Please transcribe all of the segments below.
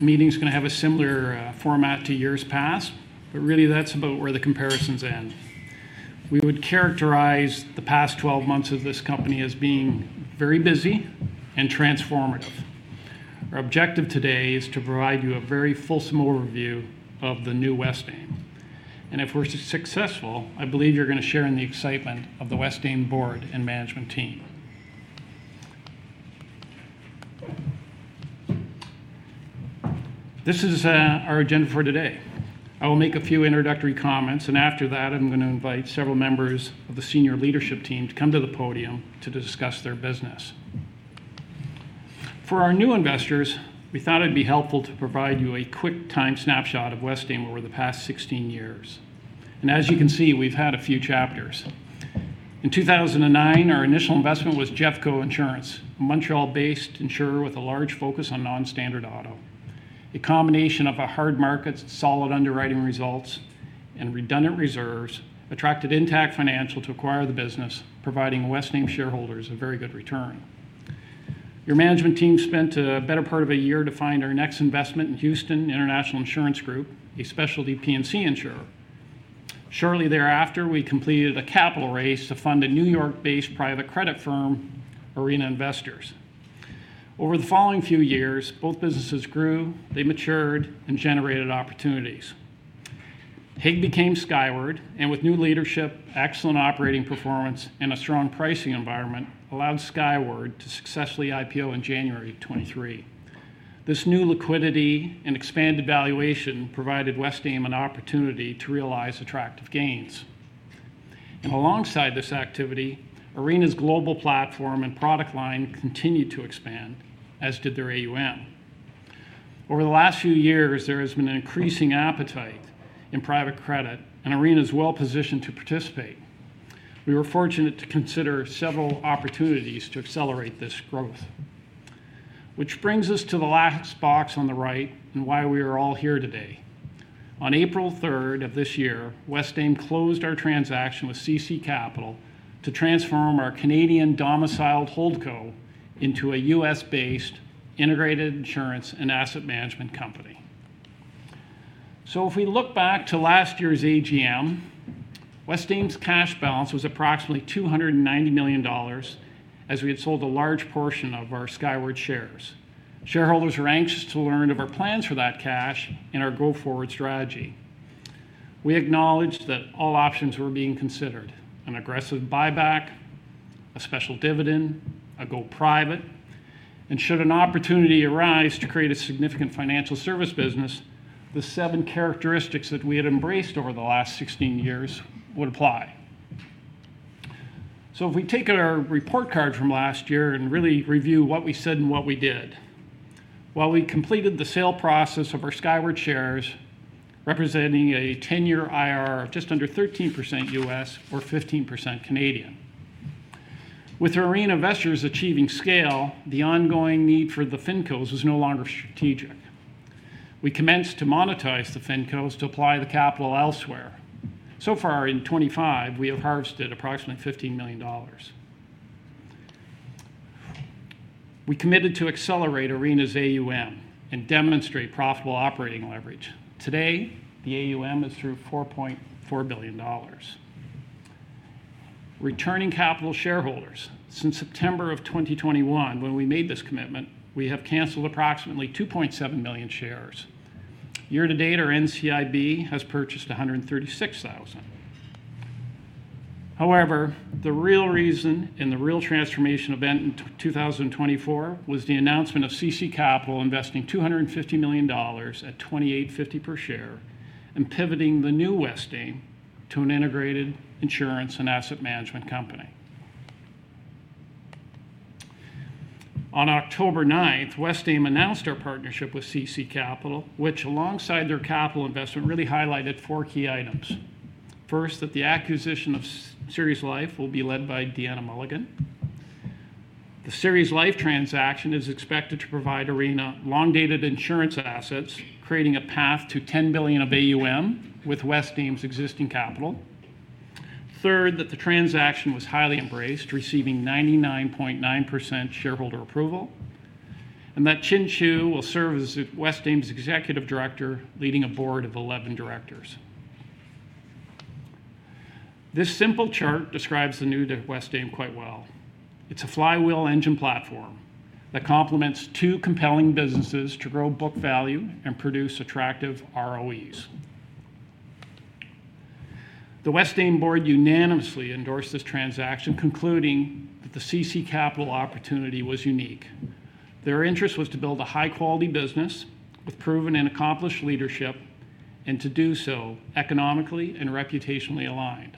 Meeting's going to have a similar format to years past, but really that's about where the comparisons end. We would characterize the past 12 months of this company as being very busy and transformative. Our objective today is to provide you a very fulsome overview of the new Westaim. If we're successful, I believe you're going to share in the excitement of the Westaim board and management team. This is our agenda for today. I will make a few introductory comments, and after that, I'm going to invite several members of the senior leadership team to come to the podium to discuss their business. For our new investors, we thought it'd be helpful to provide you a quick time snapshot of Westaim over the past 16 years. As you can see, we've had a few chapters. In 2009, our initial investment was JEVCO Insurance, a Montreal-based insurer with a large focus on nonstandard auto. A combination of a hard market, solid underwriting results, and redundant reserves attracted Intact Financial to acquire the business, providing Westaim shareholders a very good return. Your management team spent a better part of a year to find our next investment in Houston International Insurance Group, a specialty P&C insurer. Shortly thereafter, we completed a capital raise to fund a New York-based private credit firm, Arena Investors. Over the following few years, both businesses grew, they matured, and generated opportunities. HIGG became Skyward, and with new leadership, excellent operating performance, and a strong pricing environment, allowed Skyward to successfully IPO in January 2023. This new liquidity and expanded valuation provided Westaim an opportunity to realize attractive gains. Alongside this activity, Arena's global platform and product line continued to expand, as did their AUM. Over the last few years, there has been an increasing appetite in private credit, and Arena's well-positioned to participate. We were fortunate to consider several opportunities to accelerate this growth. This brings us to the last box on the right and why we are all here today. On April 3rd of this year, Westaim closed our transaction with CC Capital to transform our Canadian domiciled holdco into a U.S.-based integrated insurance and asset management company. If we look back to last year's AGM, Westaim's cash balance was approximately $290 million as we had sold a large portion of our Skyward shares. Shareholders were anxious to learn of our plans for that cash and our go-forward strategy. We acknowledged that all options were being considered: an aggressive buyback, a special dividend, a go-private, and should an opportunity arise to create a significant financial service business, the seven characteristics that we had embraced over the last 16 years would apply. If we take our report card from last year and really review what we said and what we did, while we completed the sale process of our Skyward shares, representing a 10-year IRR of just under 13% U.S. or 15% CAD. With Arena Investors achieving scale, the ongoing need for the FINCOs was no longer strategic. We commenced to monetize the FINCOs to apply the capital elsewhere. So far, in 2025, we have harvested approximately $15 million. We committed to accelerate Arena's AUM and demonstrate profitable operating leverage. Today, the AUM is through $4.4 billion. Returning capital shareholders. Since September of 2021, when we made this commitment, we have canceled approximately 2.7 million shares. Year-to-date, our NCIB has purchased 136,000. However, the real reason and the real transformation event in 2024 was the announcement of CC Capital investing $250 million at $2,850 per share and pivoting the new Westaim to an integrated insurance and asset management company. On October 9th, Westaim announced our partnership with CC Capital, which, alongside their capital invest, really highlighted four key items. First, that the acquisition of Ceres Life will be led by Deanna Mulligan. The Ceres Life transaction is expected to provide Arena long-dated insurance assets, creating a path to $10 billion of AUM with Westaim's existing capital. Third, that the transaction was highly embraced, receiving 99.9% shareholder approval, and that Chinh Chu will serve as Westaim's executive director, leading a board of 11 directors. This simple chart describes the new Westaim quite well. It is a flywheel engine platform that complements two compelling businesses to grow book value and produce attractive ROEs. The Westaim board unanimously endorsed this transaction, concluding that the CC Capital opportunity was unique. Their interest was to build a high-quality business with proven and accomplished leadership, and to do so economically and reputationally aligned.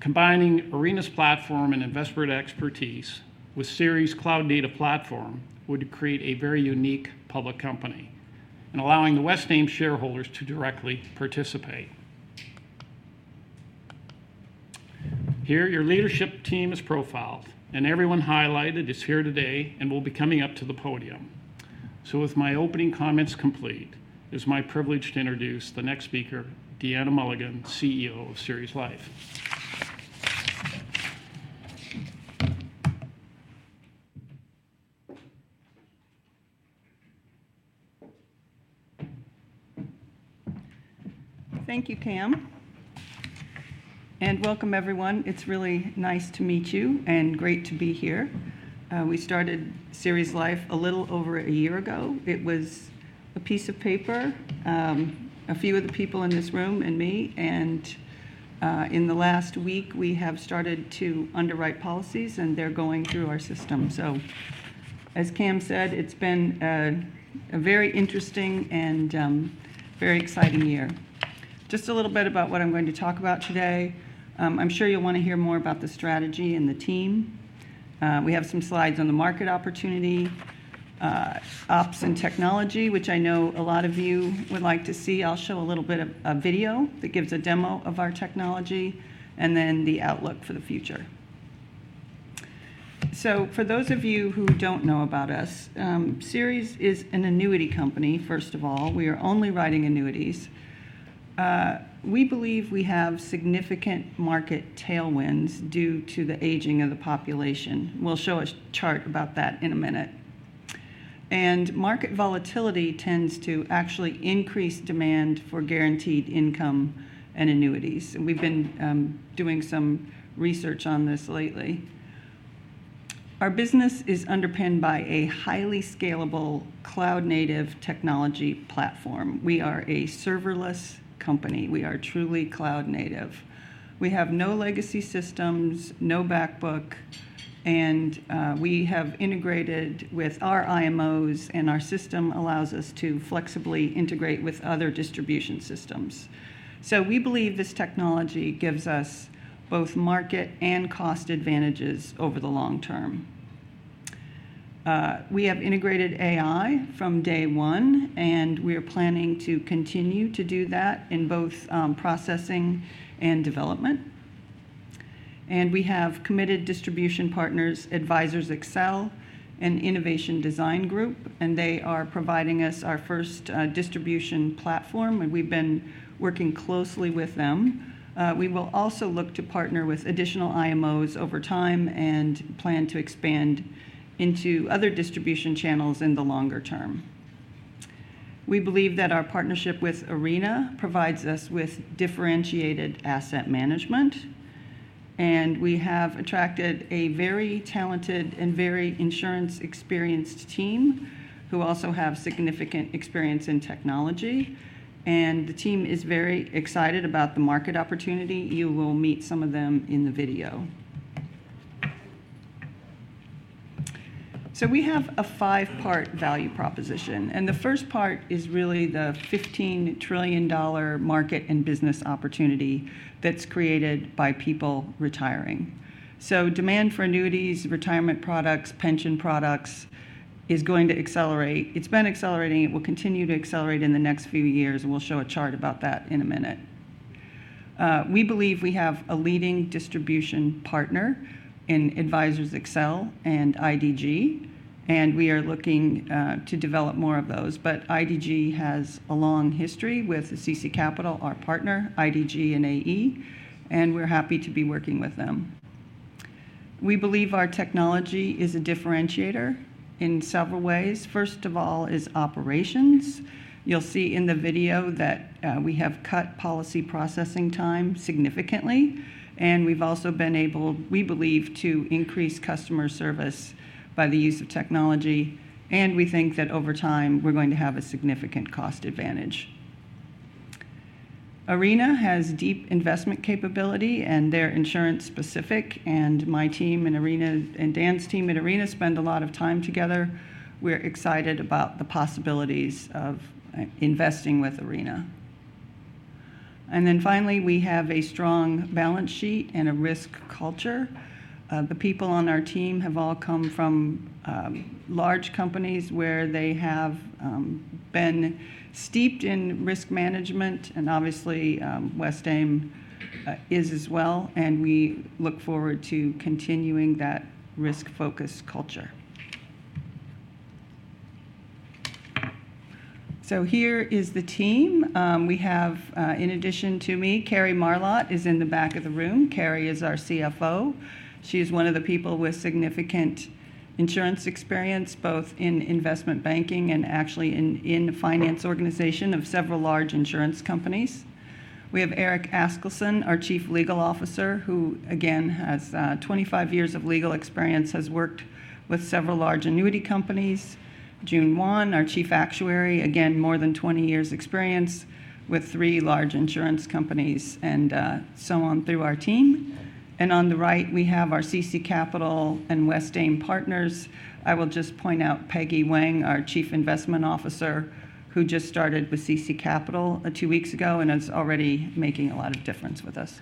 Combining Arena's platform and Investment expertise with Ceres Cloud Data Platform would create a very unique public company and allowing the Westaim shareholders to directly participate. Here, your leadership team is profiled, and everyone highlighted is here today and will be coming up to the podium. With my opening comments complete, it is my privilege to introduce the next speaker, Deanna Mulligan, CEO of Ceres Life. Thank you, Cam. Welcome, everyone. It's really nice to meet you and great to be here. We started Ceres Life a little over a year ago. It was a piece of paper, a few of the people in this room, and me. In the last week, we have started to underwrite policies, and they're going through our system. As Cam said, it's been a very interesting and very exciting year. Just a little bit about what I'm going to talk about today. I'm sure you'll want to hear more about the strategy and the team. We have some slides on the market opportunity, ops, and technology, which I know a lot of you would like to see. I'll show a little bit of a video that gives a demo of our technology and then the outlook for the future. For those of you who do not know about us, Ceres is an annuity company, first of all. We are only writing annuities. We believe we have significant market tailwinds due to the aging of the population. We will show a chart about that in a minute. Market volatility tends to actually increase demand for guaranteed income and annuities. We have been doing some research on this lately. Our business is underpinned by a highly scalable cloud-native technology platform. We are a serverless company. We are truly cloud-native. We have no legacy systems, no backbook, and we have integrated with our IMOs, and our system allows us to flexibly integrate with other distribution systems. We believe this technology gives us both market and cost advantages over the long term. We have integrated AI from day one, and we are planning to continue to do that in both processing and development. We have committed distribution partners, Advisors Excel and Innovation Design Group, and they are providing us our first distribution platform, and we've been working closely with them. We will also look to partner with additional IMOs over time and plan to expand into other distribution channels in the longer term. We believe that our partnership with Arena provides us with differentiated asset management, and we have attracted a very talented and very insurance-experienced team who also have significant experience in technology. The team is very excited about the market opportunity. You will meet some of them in the video. We have a five-part value proposition, and the first part is really the $15 trillion market and business opportunity that's created by people retiring. Demand for annuities, retirement products, pension products is going to accelerate. It's been accelerating. It will continue to accelerate in the next few years, and we'll show a chart about that in a minute. We believe we have a leading distribution partner in Advisors Excel and IDG, and we are looking to develop more of those. IDG has a long history with CC Capital, our partner, IDG and AE, and we're happy to be working with them. We believe our technology is a differentiator in several ways. First of all is operations. You'll see in the video that we have cut policy processing time significantly, and we've also been able, we believe, to increase customer service by the use of technology, and we think that over time we're going to have a significant cost advantage. Arena has deep investment capability, and they're insurance-specific, and my team and Arena and Dan's team at Arena spend a lot of time together. We're excited about the possibilities of investing with Arena. Finally, we have a strong balance sheet and a risk culture. The people on our team have all come from large companies where they have been steeped in risk management, and obviously Westaim is as well, and we look forward to continuing that risk-focused culture. Here is the team. We have, in addition to me, Carrie Marlatt is in the back of the room. Carrie is our CFO. She is one of the people with significant insurance experience, both in investment banking and actually in the finance organization of several large insurance companies. We have Erik Askelsen, our Chief Legal Officer, who again has 25 years of legal experience, has worked with several large annuity companies. June Guan, our Chief Actuary, again, more than 20 years experience with three large insurance companies and so on through our team. On the right, we have our CC Capital and Westaim partners. I will just point out Peggy Huang, our Chief Investment Officer, who just started with CC Capital two weeks ago and is already making a lot of difference with us.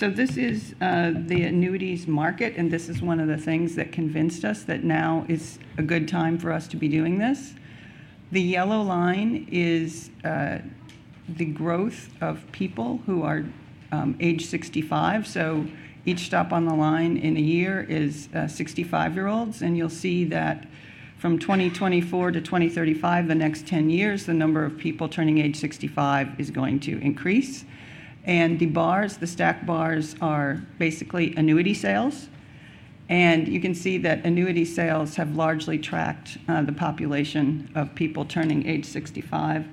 This is the annuities market, and this is one of the things that convinced us that now is a good time for us to be doing this. The yellow line is the growth of people who are age 65, so each stop on the line in a year is 65-year-olds, and you will see that from 2024 to 2035, the next 10 years, the number of people turning age 65 is going to increase. The bars, the stack bars, are basically annuity sales, and you can see that annuity sales have largely tracked the population of people turning age 65.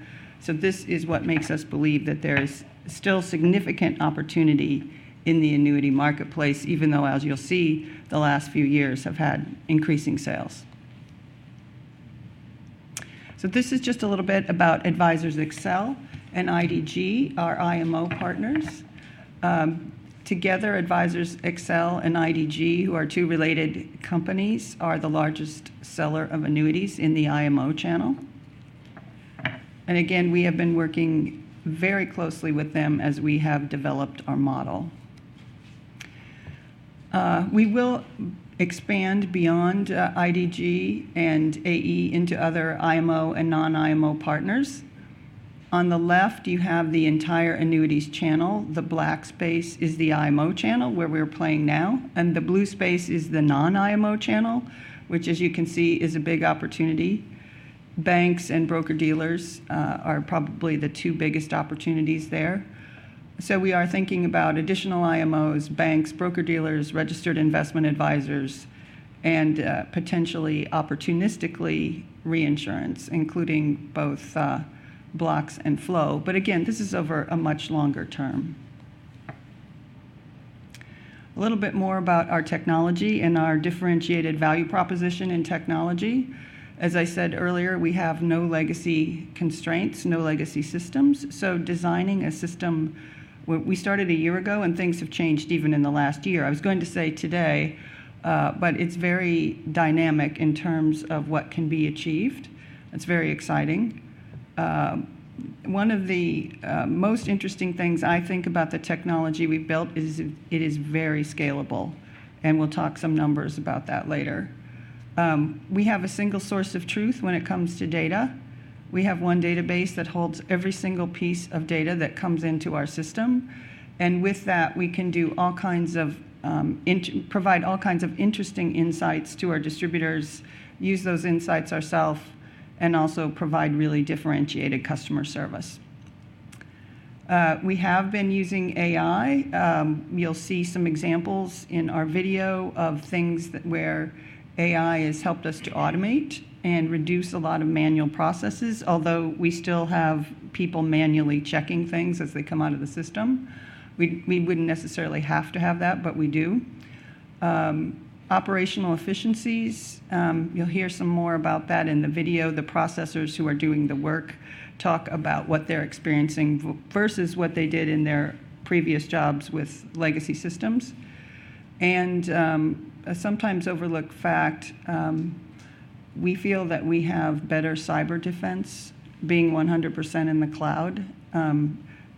This is what makes us believe that there is still significant opportunity in the annuity marketplace, even though, as you'll see, the last few years have had increasing sales. This is just a little bit about Advisors Excel and IDG, our IMO partners. Together, Advisors Excel and IDG, who are two related companies, are the largest seller of annuities in the IMO channel. Again, we have been working very closely with them as we have developed our model. We will expand beyond IDG and AE into other IMO and non-IMO partners. On the left, you have the entire annuities channel. The black space is the IMO channel where we're playing now, and the blue space is the non-IMO channel, which, as you can see, is a big opportunity. Banks and broker-dealers are probably the two biggest opportunities there. We are thinking about additional IMOs, banks, broker-dealers, registered investment advisors, and potentially, opportunistically, reinsurance, including both blocks and flow. Again, this is over a much longer term. A little bit more about our technology and our differentiated value proposition in technology. As I said earlier, we have no legacy constraints, no legacy systems. Designing a system, we started a year ago, and things have changed even in the last year. I was going to say today, but it is very dynamic in terms of what can be achieved. It is very exciting. One of the most interesting things I think about the technology we have built is it is very scalable, and we will talk some numbers about that later. We have a single source of truth when it comes to data. We have one database that holds every single piece of data that comes into our system, and with that, we can do all kinds of, provide all kinds of interesting insights to our distributors, use those insights ourselves, and also provide really differentiated customer service. We have been using AI. You'll see some examples in our video of things where AI has helped us to automate and reduce a lot of manual processes, although we still have people manually checking things as they come out of the system. We wouldn't necessarily have to have that, but we do. Operational efficiencies, you'll hear some more about that in the video. The processors who are doing the work talk about what they're experiencing versus what they did in their previous jobs with legacy systems. A sometimes overlooked fact, we feel that we have better cyber defense being 100% in the cloud.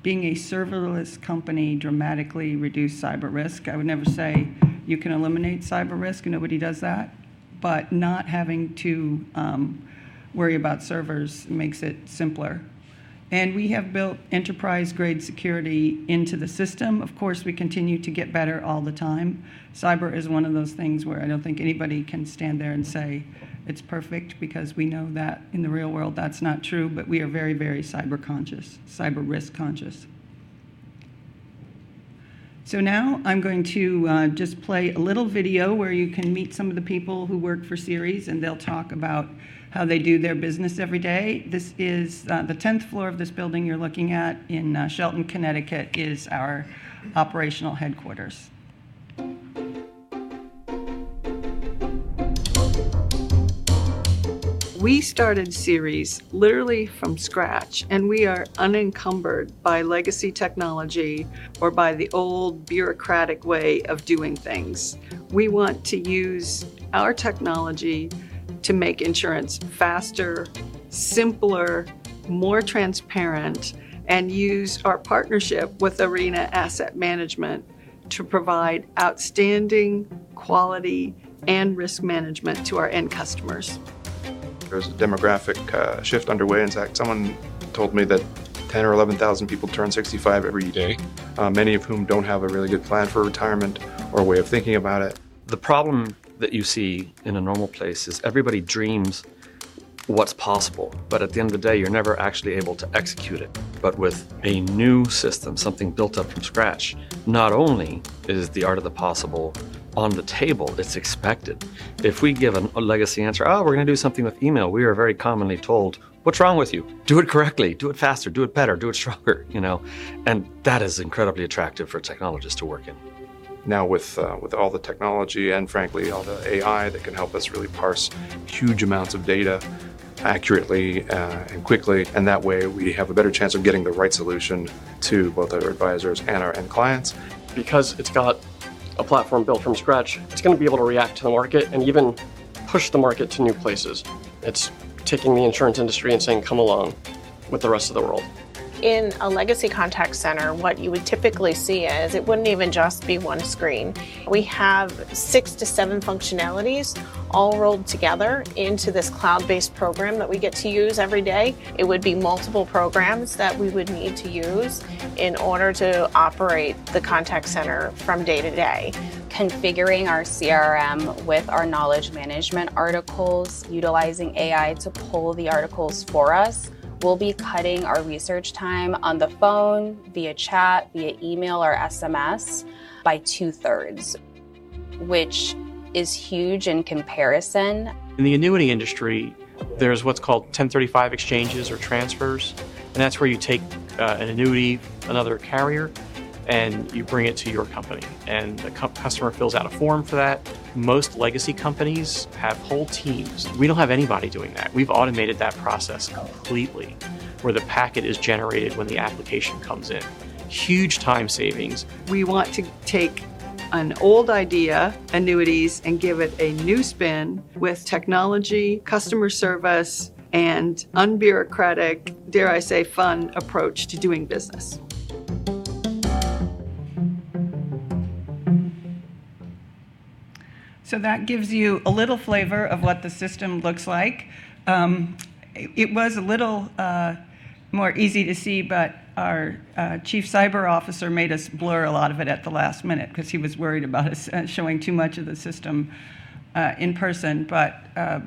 Being a serverless company dramatically reduced cyber risk. I would never say you can eliminate cyber risk, and nobody does that, but not having to worry about servers makes it simpler. We have built enterprise-grade security into the system. Of course, we continue to get better all the time. Cyber is one of those things where I do not think anybody can stand there and say it is perfect because we know that in the real world that is not true, but we are very, very cyber-conscious, cyber-risk-conscious. Now I am going to just play a little video where you can meet some of the people who work for Ceres, and they will talk about how they do their business every day. This is the 10th floor of this building you are looking at in Shelton, Connecticut, which is our operational headquarters. We started Ceres literally from scratch, and we are unencumbered by legacy technology or by the old bureaucratic way of doing things. We want to use our technology to make insurance faster, simpler, more transparent, and use our partnership with Arena Investors to provide outstanding quality and risk management to our end customers. There's a demographic shift underway. In fact, someone told me that 10,000 or 11,000 people turn 65 every day, many of whom do not have a really good plan for retirement or a way of thinking about it. The problem that you see in a normal place is everybody dreams what is possible, but at the end of the day, you are never actually able to execute it. With a new system, something built up from scratch, not only is the art of the possible on the table, it is expected. If we give a legacy answer, "Oh, we are going to do something with email," we are very commonly told, "What is wrong with you? Do it correctly. Do it faster. Do it better. Do it stronger." You know, and that is incredibly attractive for technologists to work in. Now, with all the technology and frankly, all the AI that can help us really parse huge amounts of data accurately and quickly, that way we have a better chance of getting the right solution to both our advisors and our end clients. Because it's got a platform built from scratch, it's going to be able to react to the market and even push the market to new places. It's taking the insurance industry and saying, "Come along with the rest of the world. In a legacy contact center, what you would typically see is it would not even just be one screen. We have six to seven functionalities all rolled together into this cloud-based program that we get to use every day. It would be multiple programs that we would need to use in order to operate the contact center from day to day. Configuring our CRM with our knowledge management articles, utilizing AI to pull the articles for us, will be cutting our research time on the phone, via chat, via email, or SMS by two-thirds, which is huge in comparison. In the annuity industry, there's what's called 1035 exchanges or transfers, and that's where you take an annuity from another carrier and you bring it to your company, and the customer fills out a form for that. Most legacy companies have whole teams. We don't have anybody doing that. We've automated that process completely where the packet is generated when the application comes in. Huge time savings. We want to take an old idea, annuities, and give it a new spin with technology, customer service, and unbureaucratic, dare I say, fun approach to doing business. That gives you a little flavor of what the system looks like. It was a little more easy to see, but our Chief Cyber Officer made us blur a lot of it at the last minute because he was worried about us showing too much of the system in person. I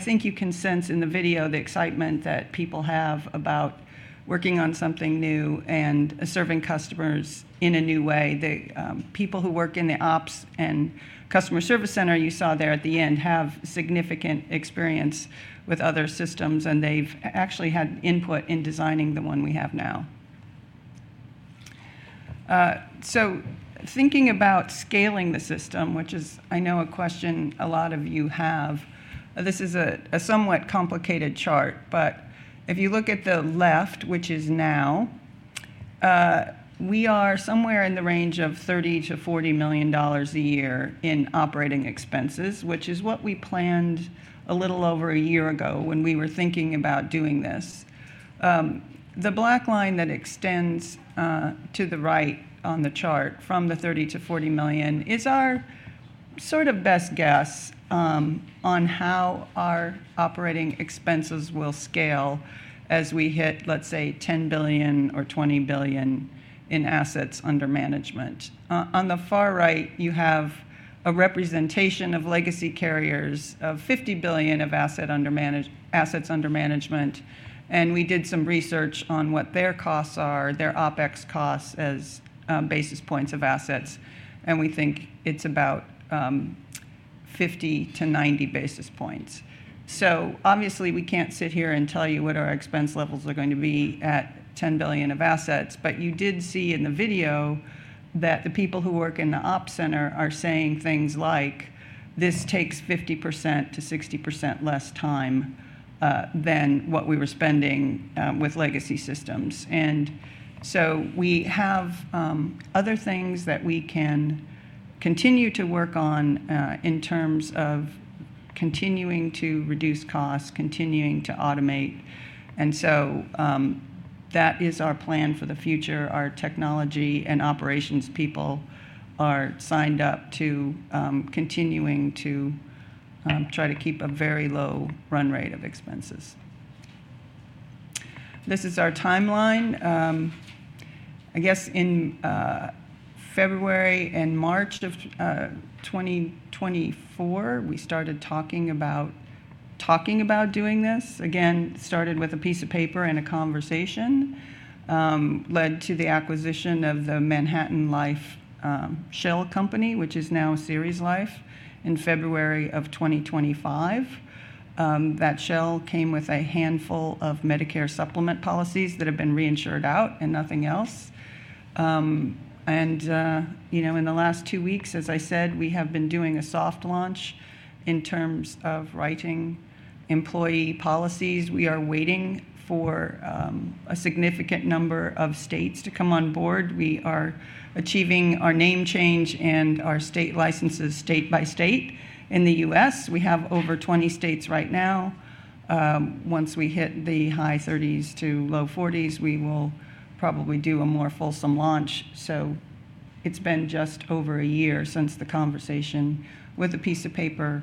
think you can sense in the video the excitement that people have about working on something new and serving customers in a new way. The people who work in the ops and customer service center you saw there at the end have significant experience with other systems, and they've actually had input in designing the one we have now. Thinking about scaling the system, which is, I know, a question a lot of you have, this is a somewhat complicated chart, but if you look at the left, which is now, we are somewhere in the range of $30 million-$40 million a year in operating expenses, which is what we planned a little over a year ago when we were thinking about doing this. The black line that extends to the right on the chart from the $30 million-$40 million is our sort of best guess on how our operating expenses will scale as we hit, let's say, $10 billion or $20 billion in assets under management. On the far right, you have a representation of legacy carriers of $50 billion of assets under management, and we did some research on what their costs are, their OpEx costs as basis points of assets, and we think it is about 50-90 basis points. Obviously, we cannot sit here and tell you what our expense levels are going to be at $10 billion of assets, but you did see in the video that the people who work in the ops center are saying things like, "This takes 50%-60% less time than what we were spending with legacy systems." We have other things that we can continue to work on in terms of continuing to reduce costs, continuing to automate, and that is our plan for the future. Our technology and operations people are signed up to continuing to try to keep a very low run rate of expenses. This is our timeline. I guess in February and March of 2024, we started talking about doing this. Again, started with a piece of paper and a conversation, led to the acquisition of the ManhattanLife shell company, which is now Ceres Life, in February of 2025. That shell came with a handful of Medicare supplement policies that have been reinsured out and nothing else. In the last two weeks, as I said, we have been doing a soft launch in terms of writing employee policies. We are waiting for a significant number of states to come on board. We are achieving our name change and our state licenses state by state in the U.S. We have over 20 states right now. Once we hit the high 30s to low 40s, we will probably do a more fulsome launch. It has been just over a year since the conversation with a piece of paper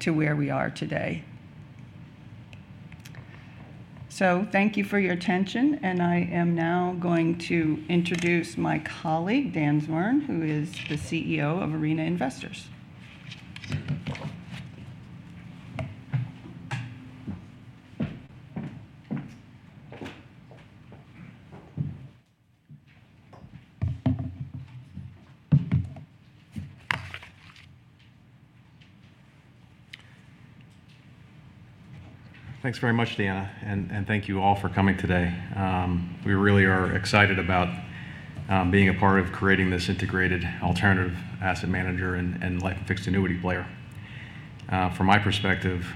to where we are today. Thank you for your attention, and I am now going to introduce my colleague, Dan Zwirn, who is the CEO of Arena Investors. Thanks very much, Deanna, and thank you all for coming today. We really are excited about being a part of creating this integrated alternative asset manager and fixed annuity player. From my perspective,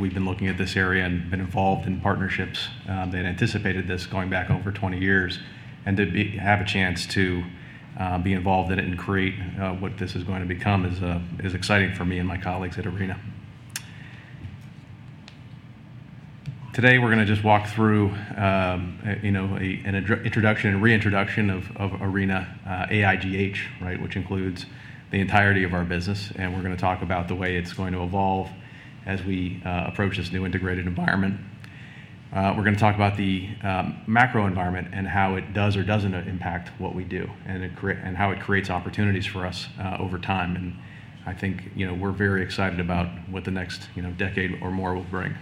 we've been looking at this area and been involved in partnerships that anticipated this going back over 20 years, and to have a chance to be involved in it and create what this is going to become is exciting for me and my colleagues at Arena. Today, we're going to just walk through an introduction and reintroduction of Arena AIGH, which includes the entirety of our business, and we're going to talk about the way it's going to evolve as we approach this new integrated environment. We're going to talk about the macro environment and how it does or doesn't impact what we do and how it creates opportunities for us over time. I think we're very excited about what the next decade or more will bring.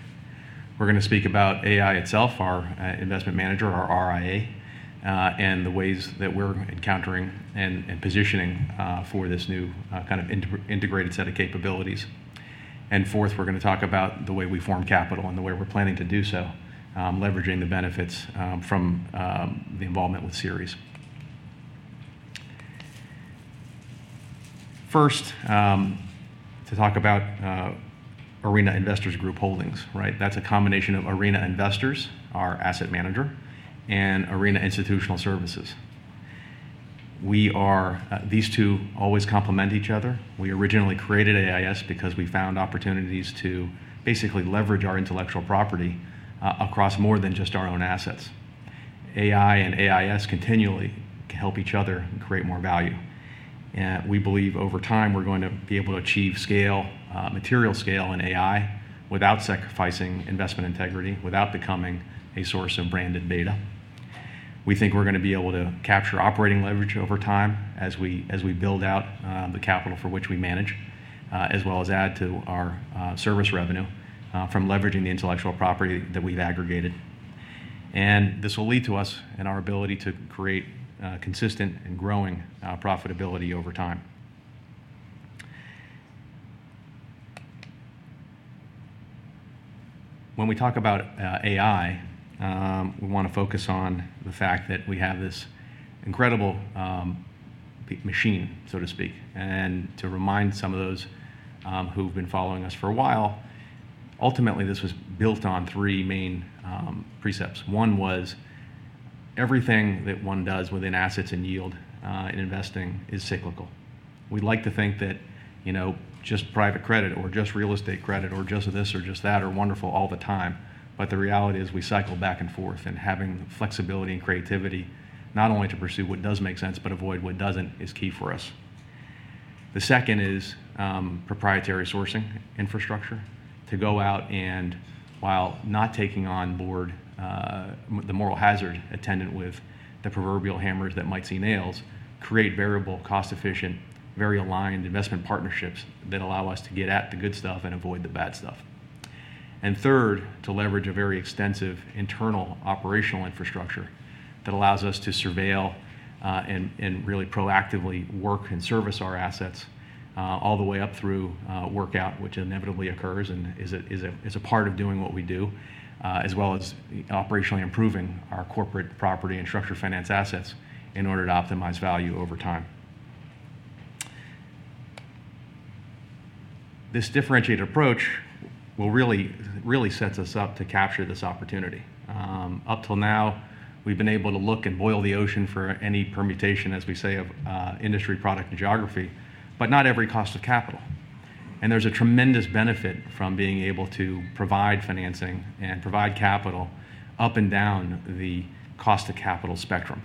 We're going to speak about AI itself, our investment manager, our RIA, and the ways that we're encountering and positioning for this new kind of integrated set of capabilities. Fourth, we're going to talk about the way we form capital and the way we're planning to do so, leveraging the benefits from the involvement with Ceres. First, to talk about Arena Investors Group Holdings. That's a combination of Arena Investors, our asset manager, and Arena Institutional Services. These two always complement each other. We originally created AIS because we found opportunities to basically leverage our intellectual property across more than just our own assets. AI and AIS continually help each other and create more value. We believe over time we're going to be able to achieve material scale in AI without sacrificing investment integrity, without becoming a source of branded beta. We think we're going to be able to capture operating leverage over time as we build out the capital for which we manage, as well as add to our service revenue from leveraging the intellectual property that we've aggregated. This will lead to us and our ability to create consistent and growing profitability over time. When we talk about AI, we want to focus on the fact that we have this incredible machine, so to speak. To remind some of those who've been following us for a while, ultimately, this was built on three main precepts. One was everything that one does within assets and yield in investing is cyclical. We'd like to think that just private credit or just real estate credit or just this or just that are wonderful all the time, but the reality is we cycle back and forth, and having flexibility and creativity not only to pursue what does make sense, but avoid what doesn't is key for us. The second is proprietary sourcing infrastructure to go out and, while not taking on board the moral hazard attendant with the proverbial hammers that might see nails, create variable, cost-efficient, very aligned investment partnerships that allow us to get at the good stuff and avoid the bad stuff. Third, to leverage a very extensive internal operational infrastructure that allows us to surveil and really proactively work and service our assets all the way up through workout, which inevitably occurs and is a part of doing what we do, as well as operationally improving our corporate property and structure finance assets in order to optimize value over time. This differentiated approach really sets us up to capture this opportunity. Up till now, we've been able to look and boil the ocean for any permutation, as we say, of industry, product, and geography, but not every cost of capital. There is a tremendous benefit from being able to provide financing and provide capital up and down the cost of capital spectrum.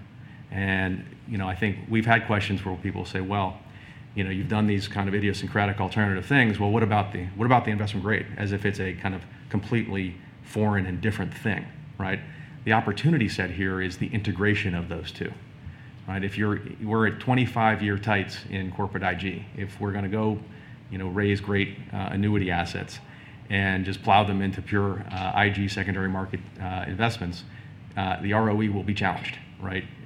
I think we've had questions where people say, "Well, you've done these kind of idiosyncratic alternative things. What about the investment grade?" as if it is a kind of completely foreign and different thing. The opportunity set here is the integration of those two. If we are at 25-year tights in corporate IG, if we are going to go raise great annuity assets and just plow them into pure IG secondary market investments, the ROE will be challenged.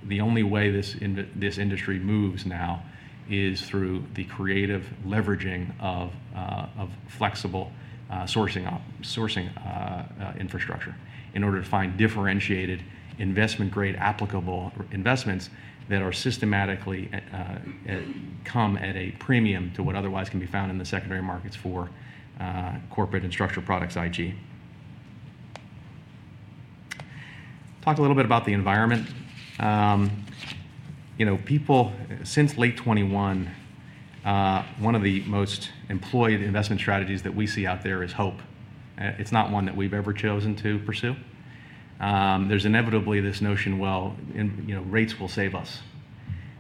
The only way this industry moves now is through the creative leveraging of flexible sourcing infrastructure in order to find differentiated investment-grade applicable investments that systematically come at a premium to what otherwise can be found in the secondary markets for corporate and structure products IG. Talk a little bit about the environment. Since late 2021, one of the most employed investment strategies that we see out there is hope. It is not one that we have ever chosen to pursue. is inevitably this notion, "Well, rates will save us."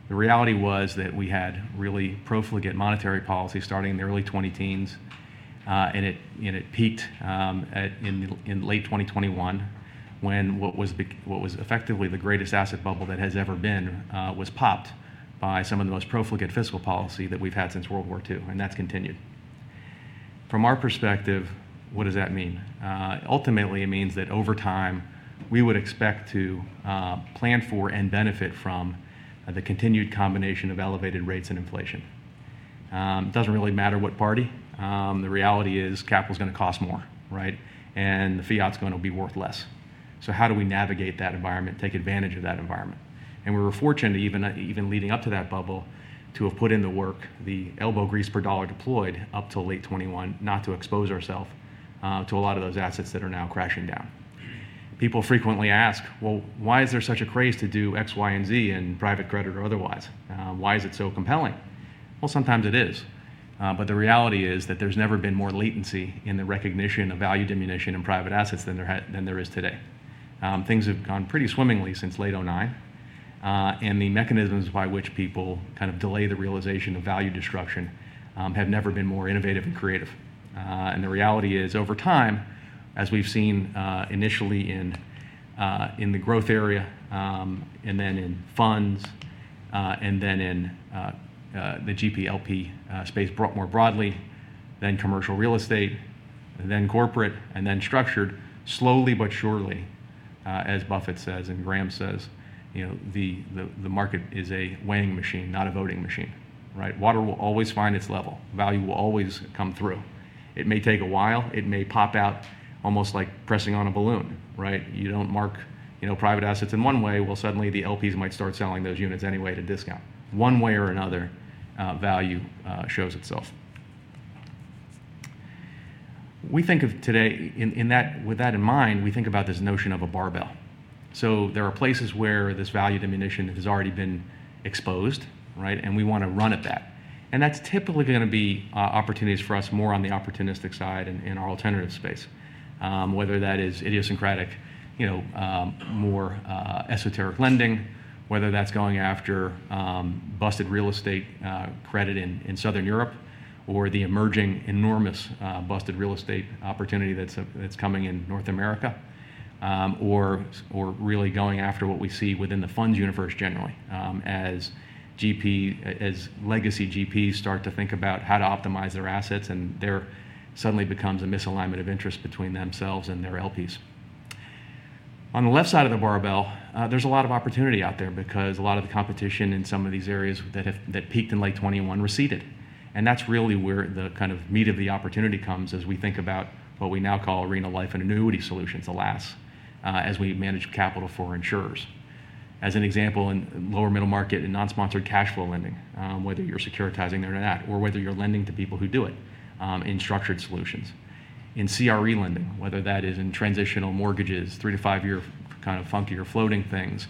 The reality was that we had really profligate monetary policy starting in the early 2010s, and it peaked in late 2021 when what was effectively the greatest asset bubble that has ever been was popped by some of the most profligate fiscal policy that we have had since World War II, and that has continued. From our perspective, what does that mean? Ultimately, it means that over time, we would expect to plan for and benefit from the continued combination of elevated rates and inflation. It does not really matter what party. The reality is capital is going to cost more, and the fiat is going to be worth less. How do we navigate that environment, take advantage of that environment? We were fortunate even leading up to that bubble to have put in the work, the elbow grease per dollar deployed up till late 2021, not to expose ourself to a lot of those assets that are now crashing down. People frequently ask, "Why is there such a craze to do X, Y, and Z in private credit or otherwise? Why is it so compelling?" Sometimes it is. The reality is that there has never been more latency in the recognition of value diminution in private assets than there is today. Things have gone pretty swimmingly since late 2009, and the mechanisms by which people kind of delay the realization of value destruction have never been more innovative and creative. The reality is over time, as we've seen initially in the growth area and then in funds and then in the GP-LP space more broadly, then commercial real estate, then corporate, and then structured, slowly but surely, as Buffett says and Graham says, the market is a weighing machine, not a voting machine. Water will always find its level. Value will always come through. It may take a while. It may pop out almost like pressing on a balloon. You do not mark private assets in one way. Suddenly, the LPs might start selling those units anyway at a discount. One way or another, value shows itself. With that in mind, we think about this notion of a barbell. There are places where this value diminution has already been exposed, and we want to run at that. That is typically going to be opportunities for us more on the opportunistic side in our alternative space, whether that is idiosyncratic, more esoteric lending, whether that is going after busted real estate credit in Southern Europe, or the emerging enormous busted real estate opportunity that is coming in North America, or really going after what we see within the funds universe generally as legacy GPs start to think about how to optimize their assets, and there suddenly becomes a misalignment of interest between themselves and their LPs. On the left side of the barbell, there is a lot of opportunity out there because a lot of the competition in some of these areas that peaked in late 2021 receded. That is really where the kind of meat of the opportunity comes as we think about what we now call Arena Life & Annuity Solutions, ALAS, as we manage capital for insurers. As an example, in lower middle market and non-sponsored cash flow lending, whether you're securitizing there or not, or whether you're lending to people who do it in structured solutions. In CRE lending, whether that is in transitional mortgages, three-year to five-year kind of funky or floating things,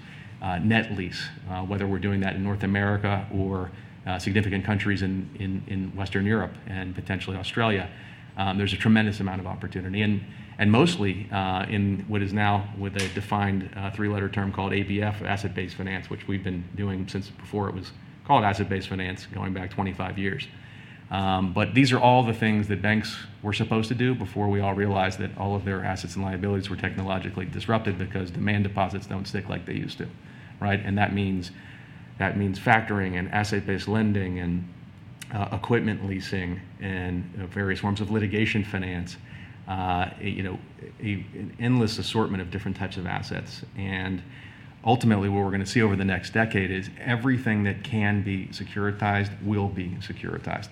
net lease, whether we're doing that in North America or significant countries in Western Europe and potentially Australia, there's a tremendous amount of opportunity. Mostly in what is now with a defined three-letter term called ABF, asset-based finance, which we've been doing since before it was called asset-based finance going back 25 years. These are all the things that banks were supposed to do before we all realized that all of their assets and liabilities were technologically disrupted because demand deposits do not stick like they used to. That means factoring and asset-based lending and equipment leasing and various forms of litigation finance, an endless assortment of different types of assets. Ultimately, what we're going to see over the next decade is everything that can be securitized will be securitized,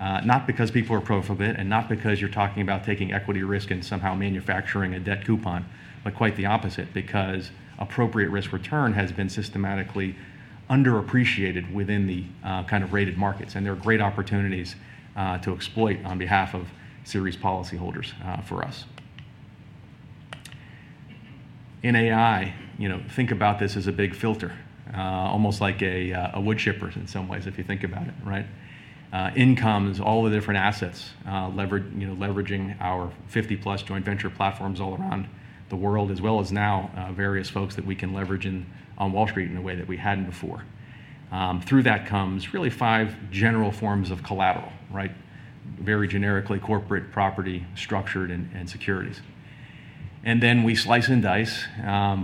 not because people are prohibited and not because you're talking about taking equity risk and somehow manufacturing a debt coupon, but quite the opposite, because appropriate risk return has been systematically underappreciated within the kind of rated markets. There are great opportunities to exploit on behalf of Ceres policyholders for us. In AI, think about this as a big filter, almost like a woodchipper in some ways if you think about it. Incomes, all the different assets leveraging our 50+ joint venture platforms all around the world, as well as now various folks that we can leverage on Wall Street in a way that we hadn't before. Through that comes really five general forms of collateral, very generically corporate, property, structured, and securities. And then we slice and dice,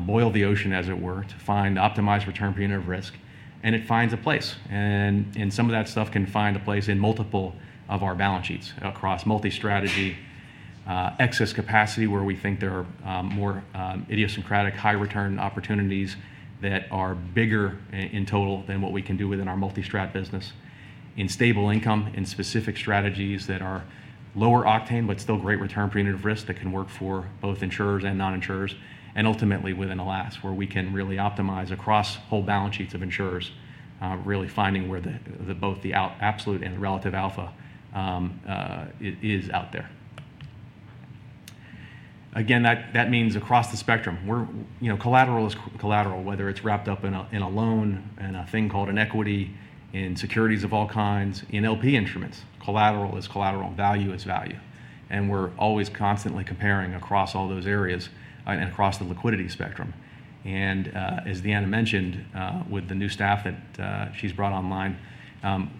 boil the ocean as it were to find optimized return of risk, and it finds a place. Some of that stuff can find a place in multiple of our balance sheets across multi-strategy, excess capacity where we think there are more idiosyncratic high return opportunities that are bigger in total than what we can do within our multi-strat business, in stable income, in specific strategies that are lower octane but still great return of risk that can work for both insurers and non-insurers, and ultimately within ALAS where we can really optimize across whole balance sheets of insurers, really finding where both the absolute and the relative alpha is out there. That means across the spectrum, collateral is collateral, whether it is wrapped up in a loan, in a thing called an equity, in securities of all kinds, in LP instruments. Collateral is collateral. Value is value. We are always constantly comparing across all those areas and across the liquidity spectrum. As Deanna mentioned, with the new staff that she's brought online,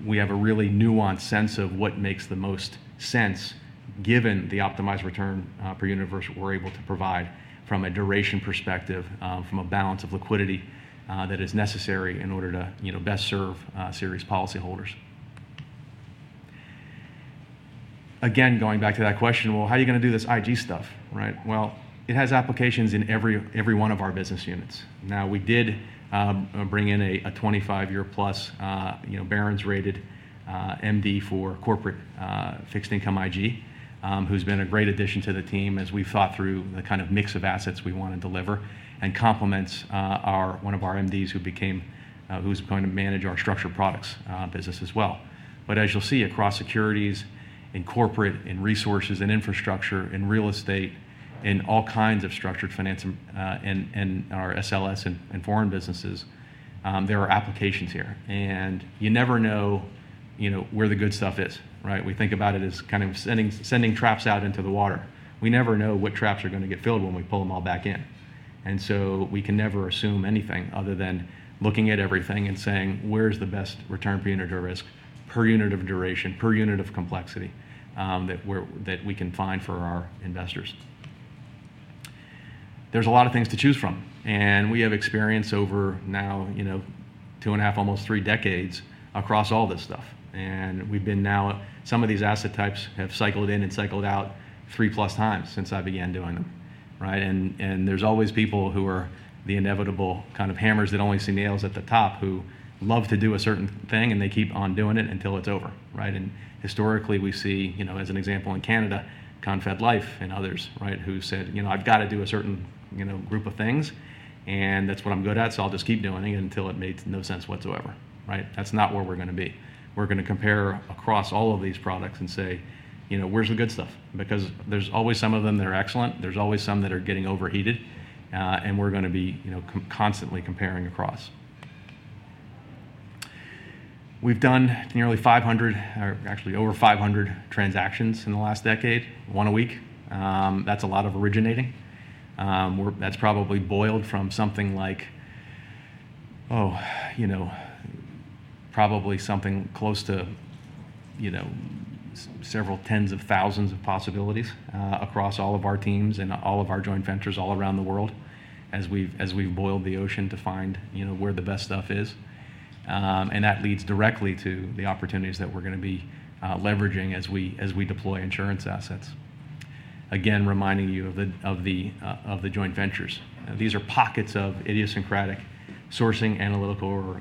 we have a really nuanced sense of what makes the most sense given the optimized return per unit of risk we're able to provide from a duration perspective, from a balance of liquidity that is necessary in order to best serve Ceres policyholders. Again, going back to that question, how are you going to do this IG stuff? It has applications in every one of our business units. We did bring in a 25-year plus Barron's-rated MD for corporate fixed income IG, who's been a great addition to the team as we've thought through the kind of mix of assets we want to deliver and complements one of our MDs who's going to manage our structured products business as well. As you'll see, across securities and corporate and resources and infrastructure and real estate and all kinds of structured finance and our SLS and foreign businesses, there are applications here. You never know where the good stuff is. We think about it as kind of sending traps out into the water. We never know what traps are going to get filled when we pull them all back in. We can never assume anything other than looking at everything and saying, "Where's the best return per unit of risk per unit of duration, per unit of complexity that we can find for our investors?" There are a lot of things to choose from. We have experience over now two and a half, almost three decades across all this stuff. We have been now, some of these asset types have cycled in and cycled out three plus times since I began doing them. There are always people who are the inevitable kind of hammers that only see nails at the top who love to do a certain thing, and they keep on doing it until it is over. Historically, we see, as an example, in Canada, Confed Life and others who said, "I have got to do a certain group of things, and that is what I am good at, so I will just keep doing it until it makes no sense whatsoever." That is not where we are going to be. We are going to compare across all of these products and say, "Where is the good stuff?" Because there are always some of them that are excellent. There are always some that are getting overheated, and we are going to be constantly comparing across. We've done nearly 500, actually over 500 transactions in the last decade, one a week. That's a lot of originating. That's probably boiled from something like, oh, probably something close to several tens of thousands of possibilities across all of our teams and all of our joint ventures all around the world as we've boiled the ocean to find where the best stuff is. That leads directly to the opportunities that we're going to be leveraging as we deploy insurance assets. Again, reminding you of the joint ventures. These are pockets of idiosyncratic sourcing, analytical,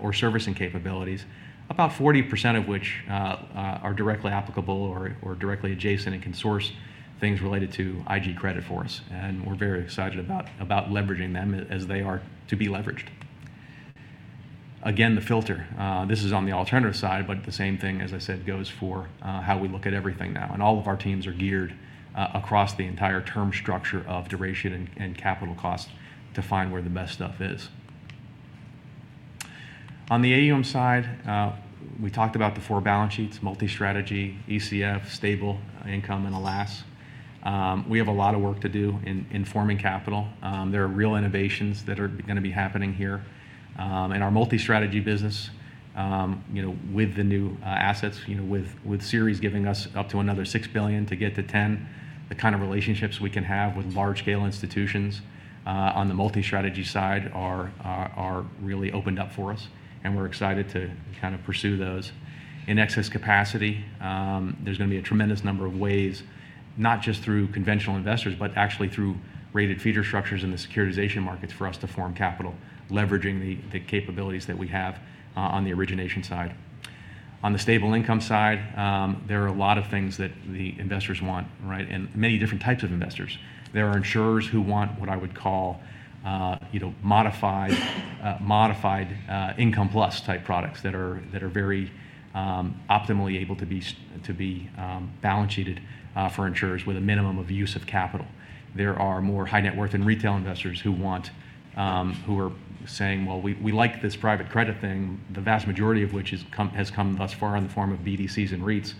or servicing capabilities, about 40% of which are directly applicable or directly adjacent and can source things related to IG Credit for us. We're very excited about leveraging them as they are to be leveraged. Again, the filter. This is on the alternative side, but the same thing, as I said, goes for how we look at everything now. All of our teams are geared across the entire term structure of duration and capital cost to find where the best stuff is. On the AUM side, we talked about the four balance sheets, multi-strategy, ECF, stable income, and ALAS. We have a lot of work to do in forming capital. There are real innovations that are going to be happening here. Our multi-strategy business with the new assets, with Ceres giving us up to another $6 billion to get to $10 billion, the kind of relationships we can have with large-scale institutions on the multi-strategy side are really opened up for us, and we are excited to kind of pursue those. In excess capacity, there's going to be a tremendous number of ways, not just through conventional investors, but actually through rated feeder structures in the securitization markets for us to form capital, leveraging the capabilities that we have on the origination side. On the stable income side, there are a lot of things that the investors want, and many different types of investors. There are insurers who want what I would call modified income plus type products that are very optimally able to be balance sheeted for insurers with a minimum of use of capital. There are more high net worth and retail investors who are saying, "Well, we like this private credit thing," the vast majority of which has come thus far in the form of BDCs and REITs.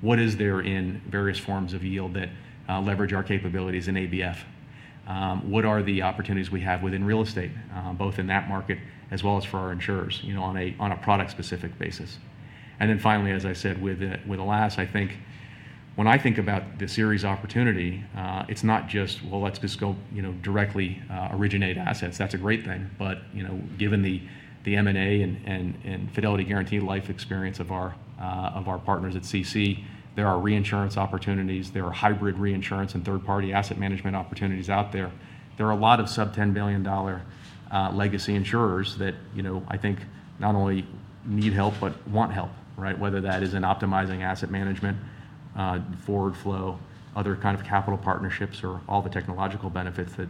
What is there in various forms of yield that leverage our capabilities in ABF? What are the opportunities we have within real estate, both in that market as well as for our insurers on a product-specific basis? Finally, as I said, with ALAS, I think when I think about the Ceres opportunity, it's not just, "Well, let's just go directly originate assets." That's a great thing. Given the M&A and Fidelity Guaranty Life experience of our partners at CC, there are reinsurance opportunities. There are hybrid reinsurance and third-party asset management opportunities out there. There are a lot of sub-$10 billion legacy insurers that I think not only need help but want help, whether that is in optimizing asset management, forward flow, other kind of capital partnerships, or all the technological benefits that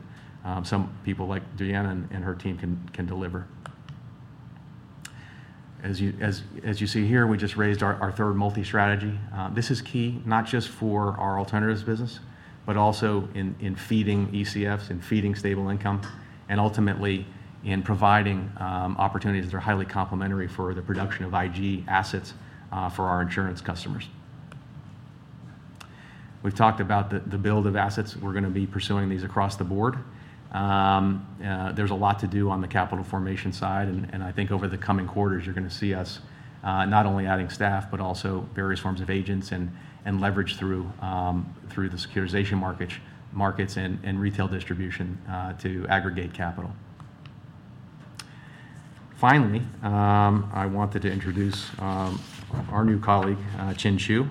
some people like Deanna and her team can deliver. As you see here, we just raised our third multi-strategy. This is key not just for our alternatives business, but also in feeding ECFs and feeding stable income, and ultimately in providing opportunities that are highly complementary for the production of IG assets for our insurance customers. We have talked about the build of assets. We are going to be pursuing these across the board. There is a lot to do on the capital formation side. I think over the coming quarters, you are going to see us not only adding staff, but also various forms of agents and leverage through the securitization markets and retail distribution to aggregate capital. Finally, I wanted to introduce our new colleague, Chinh Chu,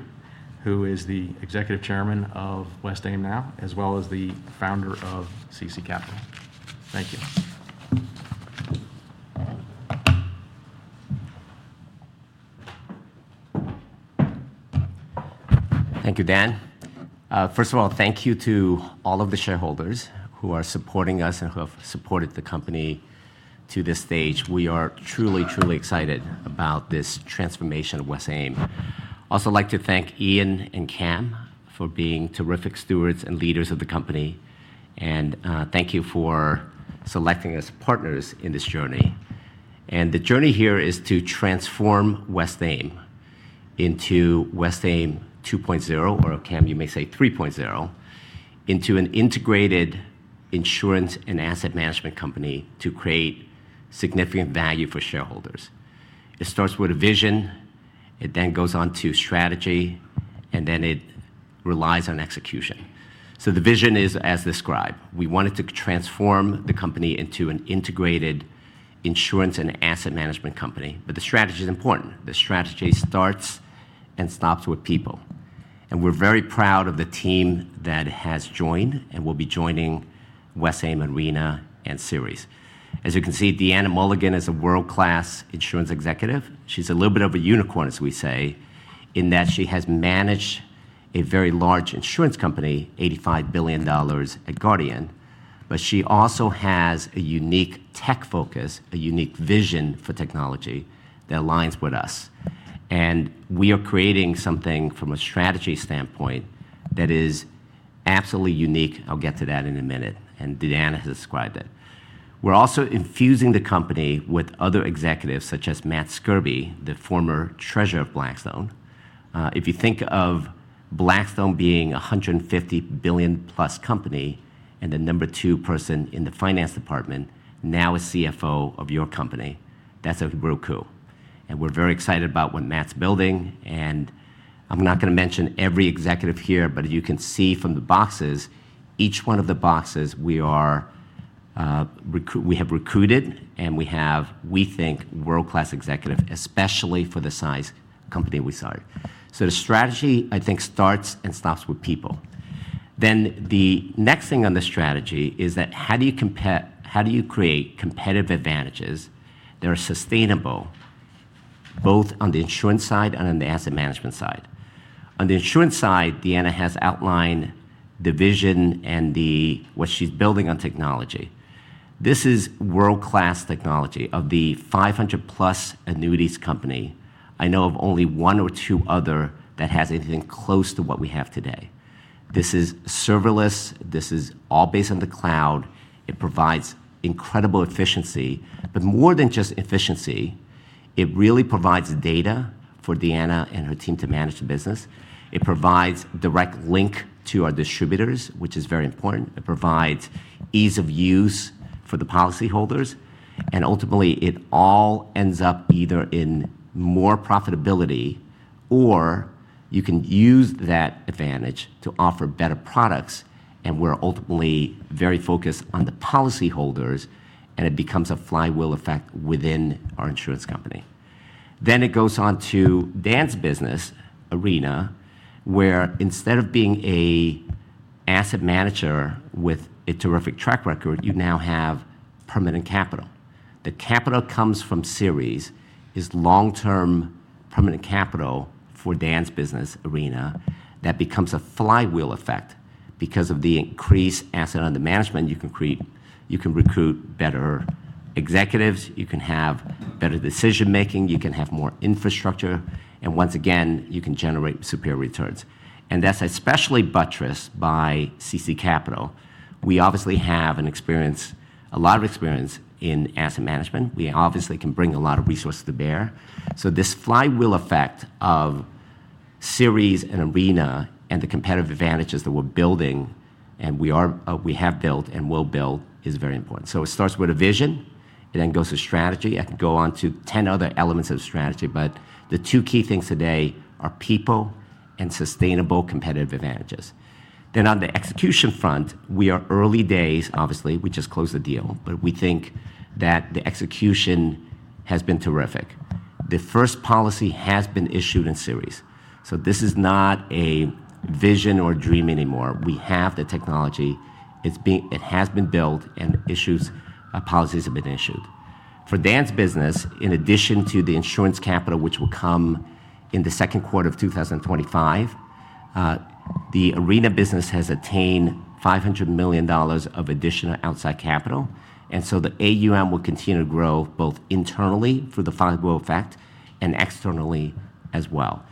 who is the Executive Chairman of Westaim now, as well as the founder of CC Capital. Thank you. Thank you, Dan. First of all, thank you to all of the shareholders who are supporting us and who have supported the company to this stage. We are truly, truly excited about this transformation of Westaim. I would also like to thank Ian and Cam for being terrific stewards and leaders of the company. Thank you for selecting us partners in this journey. The journey here is to transform Westaim into Westaim 2.0, or Cam, you may say 3.0, into an integrated insurance and asset management company to create significant value for shareholders. It starts with a vision. It then goes on to strategy, and then it relies on execution. The vision is as described. We wanted to transform the company into an integrated insurance and asset management company. The strategy is important. The strategy starts and stops with people. We're very proud of the team that has joined and will be joining Westaim, Arena, and Ceres. As you can see, Deanna Mulligan is a world-class insurance executive. She's a little bit of a unicorn, as we say, in that she has managed a very large insurance company, $85 billion at Guardian. She also has a unique tech focus, a unique vision for technology that aligns with us. We are creating something from a strategy standpoint that is absolutely unique. I'll get to that in a minute. Deanna has described it. We're also infusing the company with other executives such as Matt Skurbe, the former treasurer of Blackstone. If you think of Blackstone being a $150 billion+ company and the number two person in the finance department, now a CFO of your company, that's a real coup. We are very excited about what Matt's building. I'm not going to mention every executive here, but you can see from the boxes, each one of the boxes we have recruited, and we have, we think, world-class executive, especially for the size company we started. The strategy, I think, starts and stops with people. The next thing on the strategy is that how do you create competitive advantages that are sustainable both on the insurance side and on the asset management side? On the insurance side, Deanna has outlined the vision and what she's building on technology. This is world-class technology. Of the 500+ annuities company, I know of only one or two other that has anything close to what we have today. This is serverless. This is all based on the cloud. It provides incredible efficiency. More than just efficiency, it really provides data for Deanna and her team to manage the business. It provides a direct link to our distributors, which is very important. It provides ease of use for the policyholders. Ultimately, it all ends up either in more profitability or you can use that advantage to offer better products. We are ultimately very focused on the policyholders, and it becomes a flywheel effect within our insurance company. It goes on to Dan's business, Arena, where instead of being an asset manager with a terrific track record, you now have permanent capital. The capital that comes from Ceres is long-term permanent capital for Dan's business, Arena, that becomes a flywheel effect because of the increased assets under management. You can recruit better executives. You can have better decision-making. You can have more infrastructure. Once again, you can generate superior returns. That is especially buttressed by CC Capital. We obviously have a lot of experience in asset management. We obviously can bring a lot of resources to bear. This flywheel effect of Ceres and Arena and the competitive advantages that we are building and we have built and will build is very important. It starts with a vision. It then goes to strategy. I can go on to 10 other elements of strategy. The two key things today are people and sustainable competitive advantages. On the execution front, we are early days, obviously. We just closed the deal. We think that the execution has been terrific. The first policy has been issued in Ceres. This is not a vision or a dream anymore. We have the technology. It has been built and policies have been issued. For Dan's business, in addition to the insurance capital, which will come in the second quarter of 2025, the Arena business has attained $500 million of additional outside capital. The AUM will continue to grow both internally through the flywheel effect and externally as well.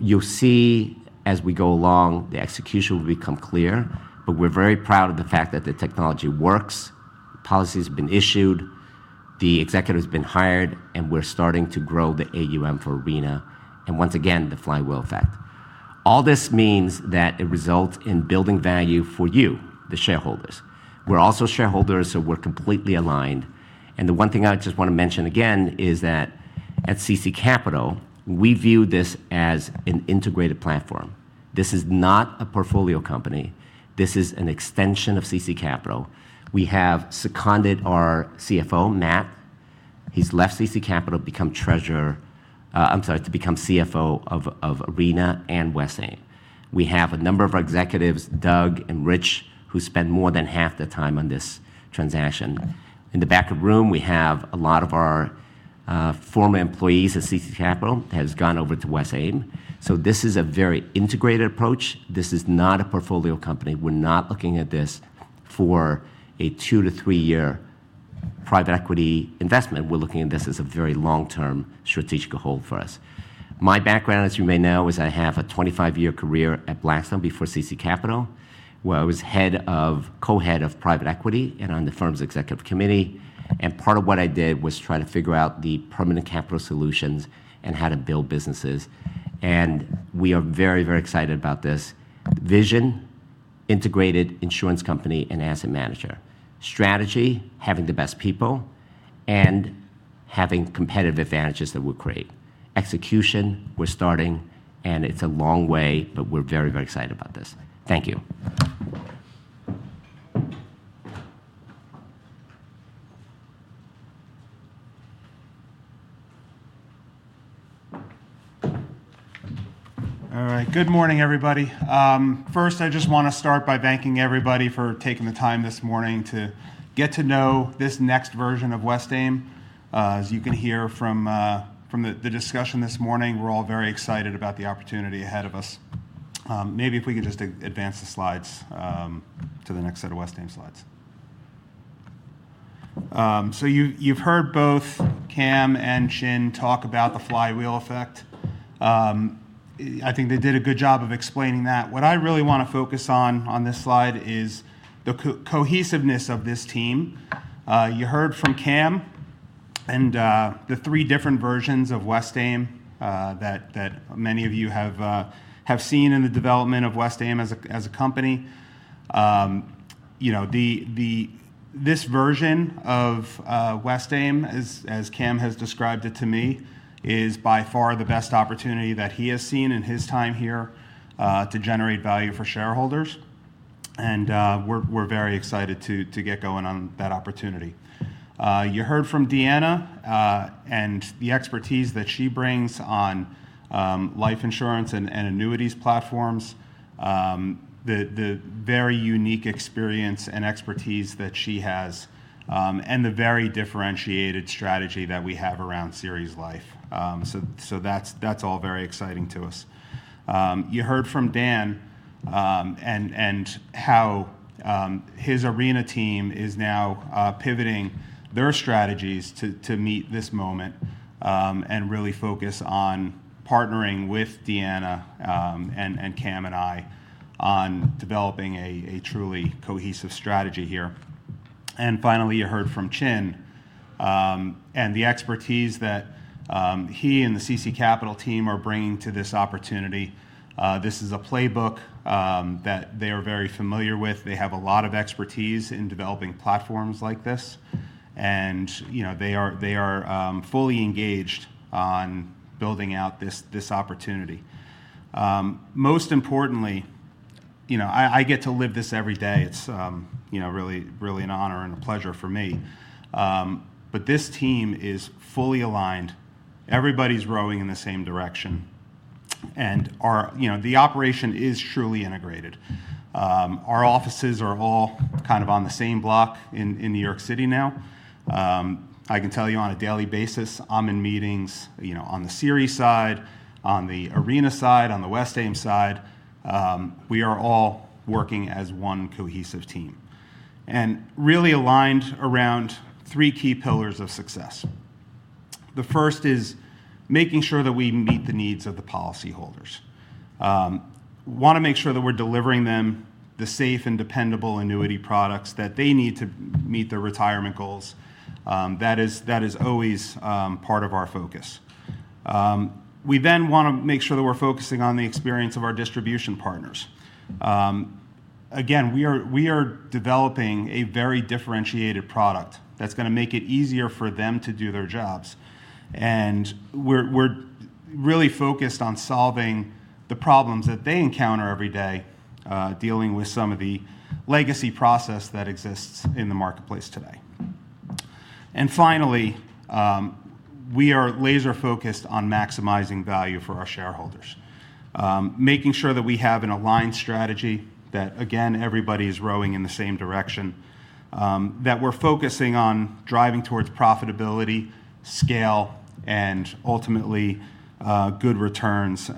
You will see as we go along, the execution will become clear. We are very proud of the fact that the technology works. Policies have been issued. The executive has been hired, and we are starting to grow the AUM for Arena. Once again, the flywheel effect. All this means that it results in building value for you, the shareholders. We are also shareholders, so we are completely aligned. The one thing I just want to mention again is that at CC Capital, we view this as an integrated platform. This is not a portfolio company. This is an extension of CC Capital. We have seconded our CFO, Matt. He's left CC Capital to become CFO of Arena and Westaim. We have a number of our executives, Doug and Rich, who spend more than half the time on this transaction. In the back of the room, we have a lot of our former employees at CC Capital that have gone over to Westaim. This is a very integrated approach. This is not a portfolio company. We're not looking at this for a two-year to three-year private equity investment. We're looking at this as a very long-term strategic hold for us. My background, as you may know, is I have a 25-year career at Blackstone before CC Capital, where I was Co-Head of Private Equity and on the firm's executive committee. Part of what I did was try to figure out the permanent capital solutions and how to build businesses. We are very, very excited about this vision: integrated insurance company and asset manager. Strategy: having the best people and having competitive advantages that we'll create. Execution: we're starting, and it's a long way, but we're very, very excited about this. Thank you. All right. Good morning, everybody. First, I just want to start by thanking everybody for taking the time this morning to get to know this next version of Westaim. As you can hear from the discussion this morning, we're all very excited about the opportunity ahead of us. Maybe if we can just advance the slides to the next set of Westaim slides. You have heard both Cam and Chinh talk about the flywheel effect. I think they did a good job of explaining that. What I really want to focus on on this slide is the cohesiveness of this team. You heard from Cam and the three different versions of Westaim that many of you have seen in the development of Westaim as a company. This version of Westaim, as Cam has described it to me, is by far the best opportunity that he has seen in his time here to generate value for shareholders. We are very excited to get going on that opportunity. You heard from Deanna and the expertise that she brings on life insurance and annuities platforms, the very unique experience and expertise that she has, and the very differentiated strategy that we have around Ceres Life. That is all very exciting to us. You heard from Dan and how his Arena team is now pivoting their strategies to meet this moment and really focus on partnering with Deanna and Cam and I on developing a truly cohesive strategy here. Finally, you heard from Chinh and the expertise that he and the CC Capital team are bringing to this opportunity. This is a playbook that they are very familiar with. They have a lot of expertise in developing platforms like this. They are fully engaged on building out this opportunity. Most importantly, I get to live this every day. It is really an honor and a pleasure for me. This team is fully aligned. Everybody is rowing in the same direction. The operation is truly integrated. Our offices are all kind of on the same block in New York City now. I can tell you on a daily basis, I am in meetings on the Ceres side, on the Arena side, on the Westaim side. We are all working as one cohesive team and really aligned around three key pillars of success. The first is making sure that we meet the needs of the policyholders. We want to make sure that we're delivering them the safe and dependable annuity products that they need to meet their retirement goals. That is always part of our focus. We then want to make sure that we're focusing on the experience of our distribution partners. Again, we are developing a very differentiated product that's going to make it easier for them to do their jobs. We are really focused on solving the problems that they encounter every day dealing with some of the legacy process that exists in the marketplace today. Finally, we are laser-focused on maximizing value for our shareholders, making sure that we have an aligned strategy that, again, everybody is rowing in the same direction, that we're focusing on driving towards profitability, scale, and ultimately good returns,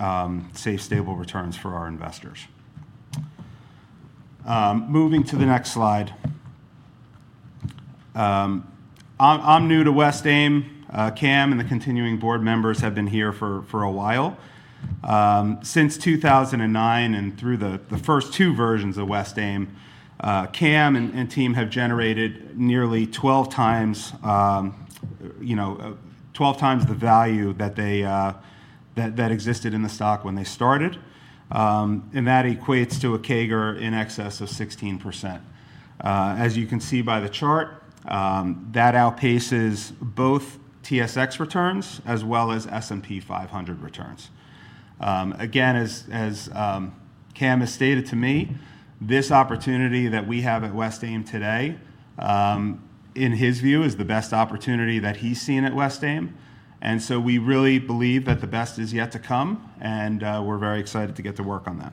safe, stable returns for our investors. Moving to the next slide. I'm new to Westaim. Cam and the continuing board members have been here for a while. Since 2009 and through the first two versions of Westaim, Cam and team have generated nearly 12 times the value that existed in the stock when they started. That equates to a CAGR in excess of 16%. As you can see by the chart, that outpaces both TSX returns as well as S&P 500 returns. As Cam has stated to me, this opportunity that we have at Westaim today, in his view, is the best opportunity that he has seen at Westaim. We really believe that the best is yet to come. We are very excited to get to work on that.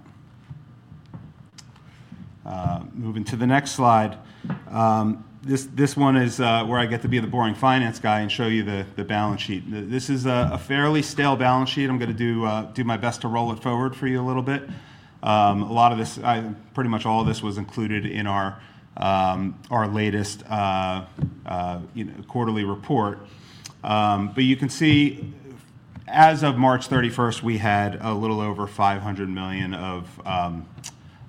Moving to the next slide. This one is where I get to be the boring finance guy and show you the balance sheet. This is a fairly stale balance sheet. I'm going to do my best to roll it forward for you a little bit. A lot of this, pretty much all of this was included in our latest quarterly report. You can see, as of March 31st, we had a little over $500 million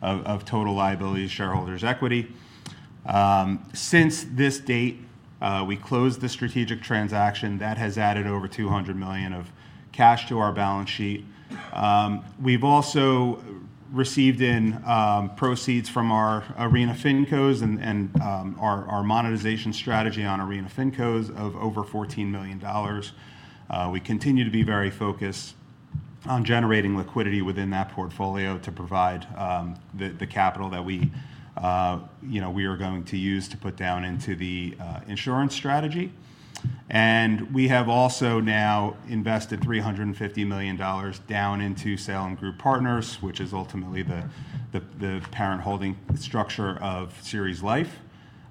of total liabilities, shareholders' equity. Since this date, we closed the strategic transaction. That has added over $200 million of cash to our balance sheet. We've also received in proceeds from our Arena FINCOs and our monetization strategy on Arena FINCOs of over $14 million. We continue to be very focused on generating liquidity within that portfolio to provide the capital that we are going to use to put down into the insurance strategy. We have also now invested $350 million down into Salem Group Partners, which is ultimately the parent holding structure of Ceres Life,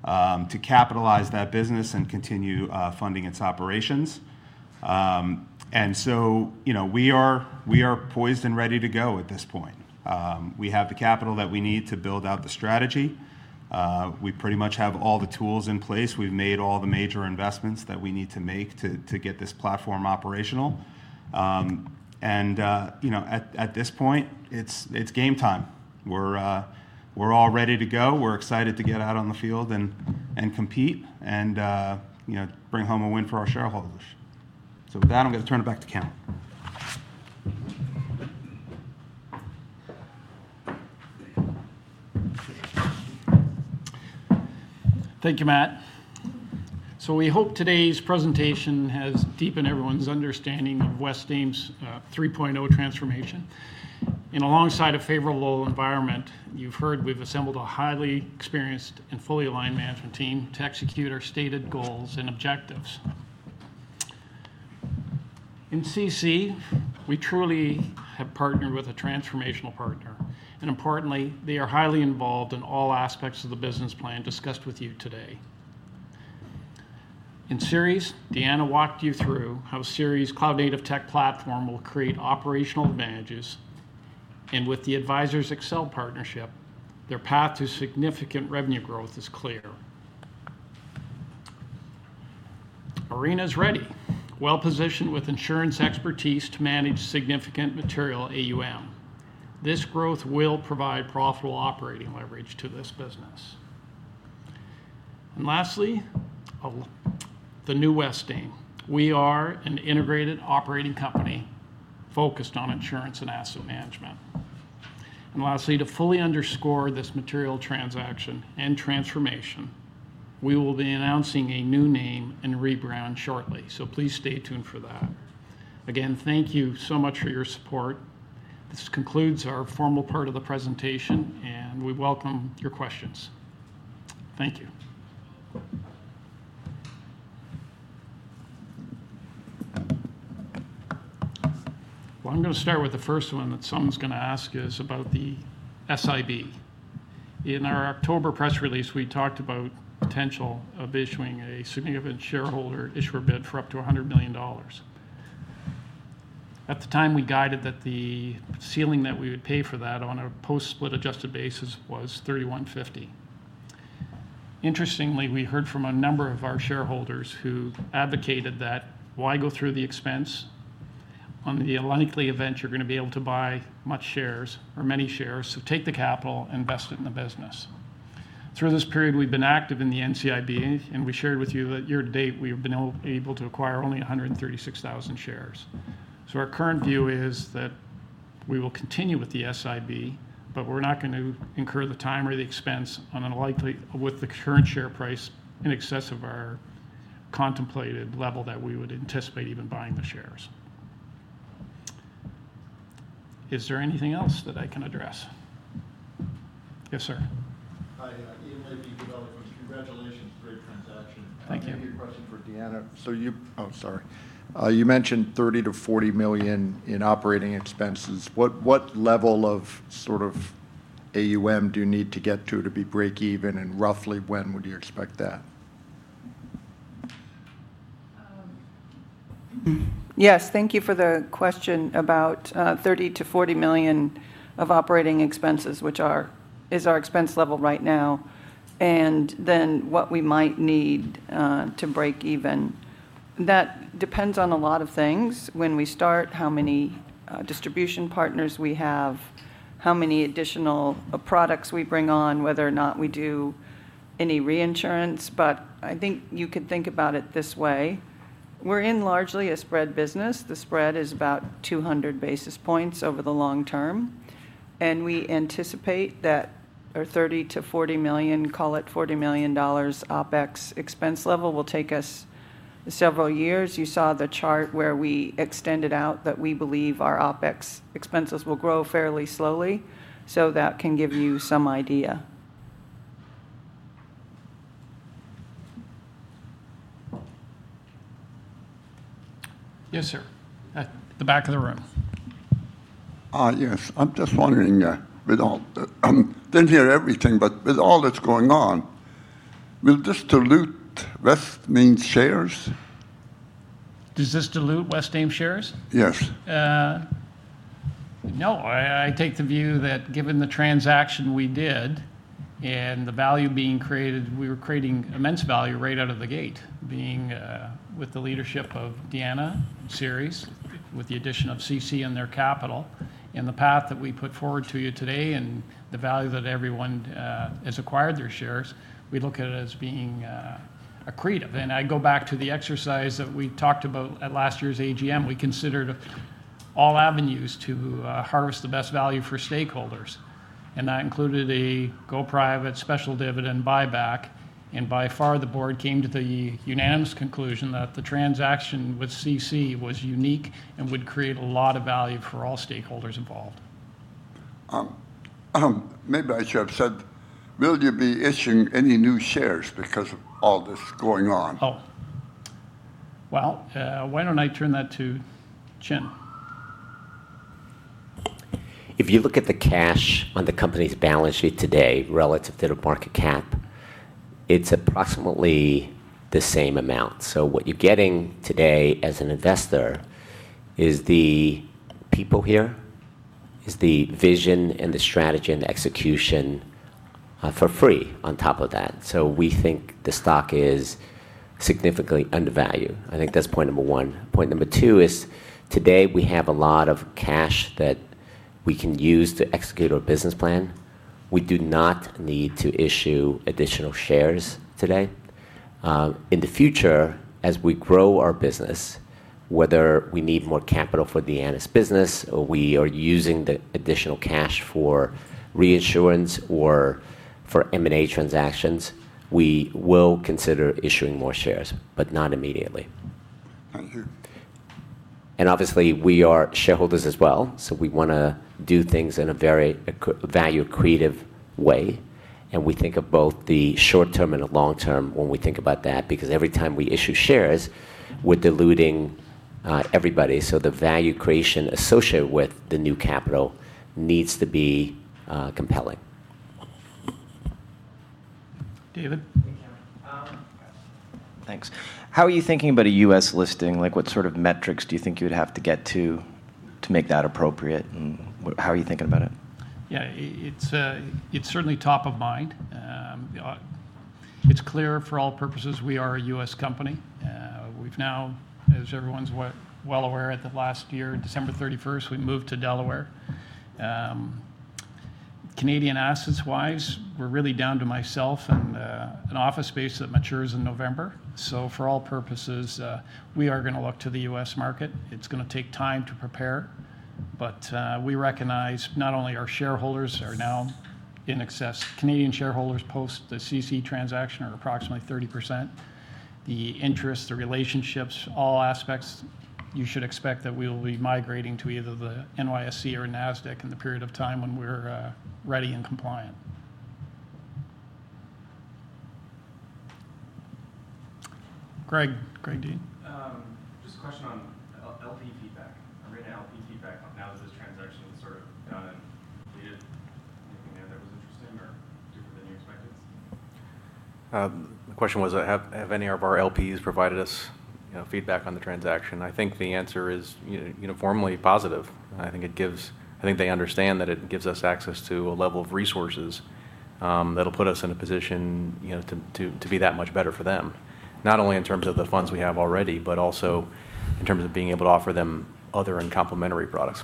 to capitalize that business and continue funding its operations. We are poised and ready to go at this point. We have the capital that we need to build out the strategy. We pretty much have all the tools in place. We have made all the major investments that we need to make to get this platform operational. At this point, it is game time. We are all ready to go. We are excited to get out on the field and compete and bring home a win for our shareholders. With that, I am going to turn it back to Cam. Thank you, Matt. We hope today's presentation has deepened everyone's understanding of Westaim's 3.0 transformation. Alongside a favorable environment, you've heard we've assembled a highly experienced and fully aligned management team to execute our stated goals and objectives. In CC, we truly have partnered with a transformational partner. Importantly, they are highly involved in all aspects of the business plan discussed with you today. In Ceres, Deanna walked you through how Ceres' cloud-native tech platform will create operational advantages. With the Advisors Excel partnership, their path to significant revenue growth is clear. Arena is ready, well-positioned with insurance expertise to manage significant material AUM. This growth will provide profitable operating leverage to this business. Lastly, the new Westaim. We are an integrated operating company focused on insurance and asset management. Lastly, to fully underscore this material transaction and transformation, we will be announcing a new name and rebrand shortly. Please stay tuned for that. Again, thank you so much for your support. This concludes our formal part of the presentation, and we welcome your questions. Thank you. I'm going to start with the first one that someone's going to ask, which is about the SIB. In our October press release, we talked about the potential of issuing a significant shareholder issuer bid for up to $100 million. At the time, we guided that the ceiling that we would pay for that on a post-split adjusted basis was $3,150. Interestingly, we heard from a number of our shareholders who advocated that, "Why go through the expense? On the unlikely event you're going to be able to buy much shares or many shares, so take the capital and invest it in the business. Through this period, we've been active in the NCIB, and we shared with you that year to date we have been able to acquire only 136,000 shares. Our current view is that we will continue with the SIB, but we're not going to incur the time or the expense with the current share price in excess of our contemplated level that we would anticipate even buying the shares. Is there anything else that I can address? Yes, sir. Hi. [In IP] Developments. Congratulations. Great transaction. Thank you. I have a question for Deanna. You mentioned $30 million-$40 million in operating expenses. What level of sort of AUM do you need to get to to be breakeven? And roughly, when would you expect that? Yes. Thank you for the question about $30 million-$40 million of operating expenses, which is our expense level right now, and then what we might need to break even. That depends on a lot of things: when we start, how many distribution partners we have, how many additional products we bring on, whether or not we do any reinsurance. I think you could think about it this way. We are in largely a spread business. The spread is about 200 basis points over the long term. We anticipate that our $30 million-$40 million—call it $40 million OpEx expense level—will take us several years. You saw the chart where we extended out that we believe our OpEx expenses will grow fairly slowly. That can give you some idea. Yes, sir. At the back of the room. Yes. I'm just wondering, with all—I didn't hear everything, but with all that's going on, will this dilute Westaim's shares? Does this dilute Westaim's shares? Yes. No. I take the view that given the transaction we did and the value being created, we were creating immense value right out of the gate, being with the leadership of Deanna and Ceres, with the addition of CC and their capital. The path that we put forward to you today and the value that everyone has acquired their shares, we look at it as being accretive. I go back to the exercise that we talked about at last year's AGM. We considered all avenues to harvest the best value for stakeholders. That included a go-private special dividend buyback. By far, the board came to the unanimous conclusion that the transaction with CC was unique and would create a lot of value for all stakeholders involved. Maybe I should have said, "Will you be issuing any new shares because of all that's going on? Oh. Why don't I turn that to Chinh? If you look at the cash on the company's balance sheet today relative to the market cap, it's approximately the same amount. What you're getting today as an investor is the people here, is the vision and the strategy and the execution for free on top of that. We think the stock is significantly undervalued. I think that's point number one. Point number two is today we have a lot of cash that we can use to execute our business plan. We do not need to issue additional shares today. In the future, as we grow our business, whether we need more capital for Deanna's business or we are using the additional cash for reinsurance or for M&A transactions, we will consider issuing more shares, but not immediately. Thank you. Obviously, we are shareholders as well. We want to do things in a very value-accretive way. We think of both the short term and the long term when we think about that because every time we issue shares, we are diluting everybody. The value creation associated with the new capital needs to be compelling. David. How are you thinking about a U.S. listing? What sort of metrics do you think you would have to get to make that appropriate? How are you thinking about it? Yeah. It is certainly top of mind. It is clear for all purposes we are a U.S. company. We have now, as everyone is well aware, at the last year, December 31st, we moved to Delaware. Canadian assets-wise, we are really down to myself and an office space that matures in November. For all purposes, we are going to look to the U.S. market. It is going to take time to prepare. We recognize not only our shareholders are now in excess. Canadian shareholders post the CC Capital transaction are approximately 30%. The interests, the relationships, all aspects, you should expect that we will be migrating to either the NYSE or NASDAQ in the period of time when we are ready and compliant. Greg Dean. Just a question on LP feedback. Arena LP feedback. Now that this transaction is sort of done. The question was, have any of our LPs provided us feedback on the transaction? I think the answer is uniformly positive. I think they understand that it gives us access to a level of resources that'll put us in a position to be that much better for them. Not only in terms of the funds we have already, but also in terms of being able to offer them other and complementary products.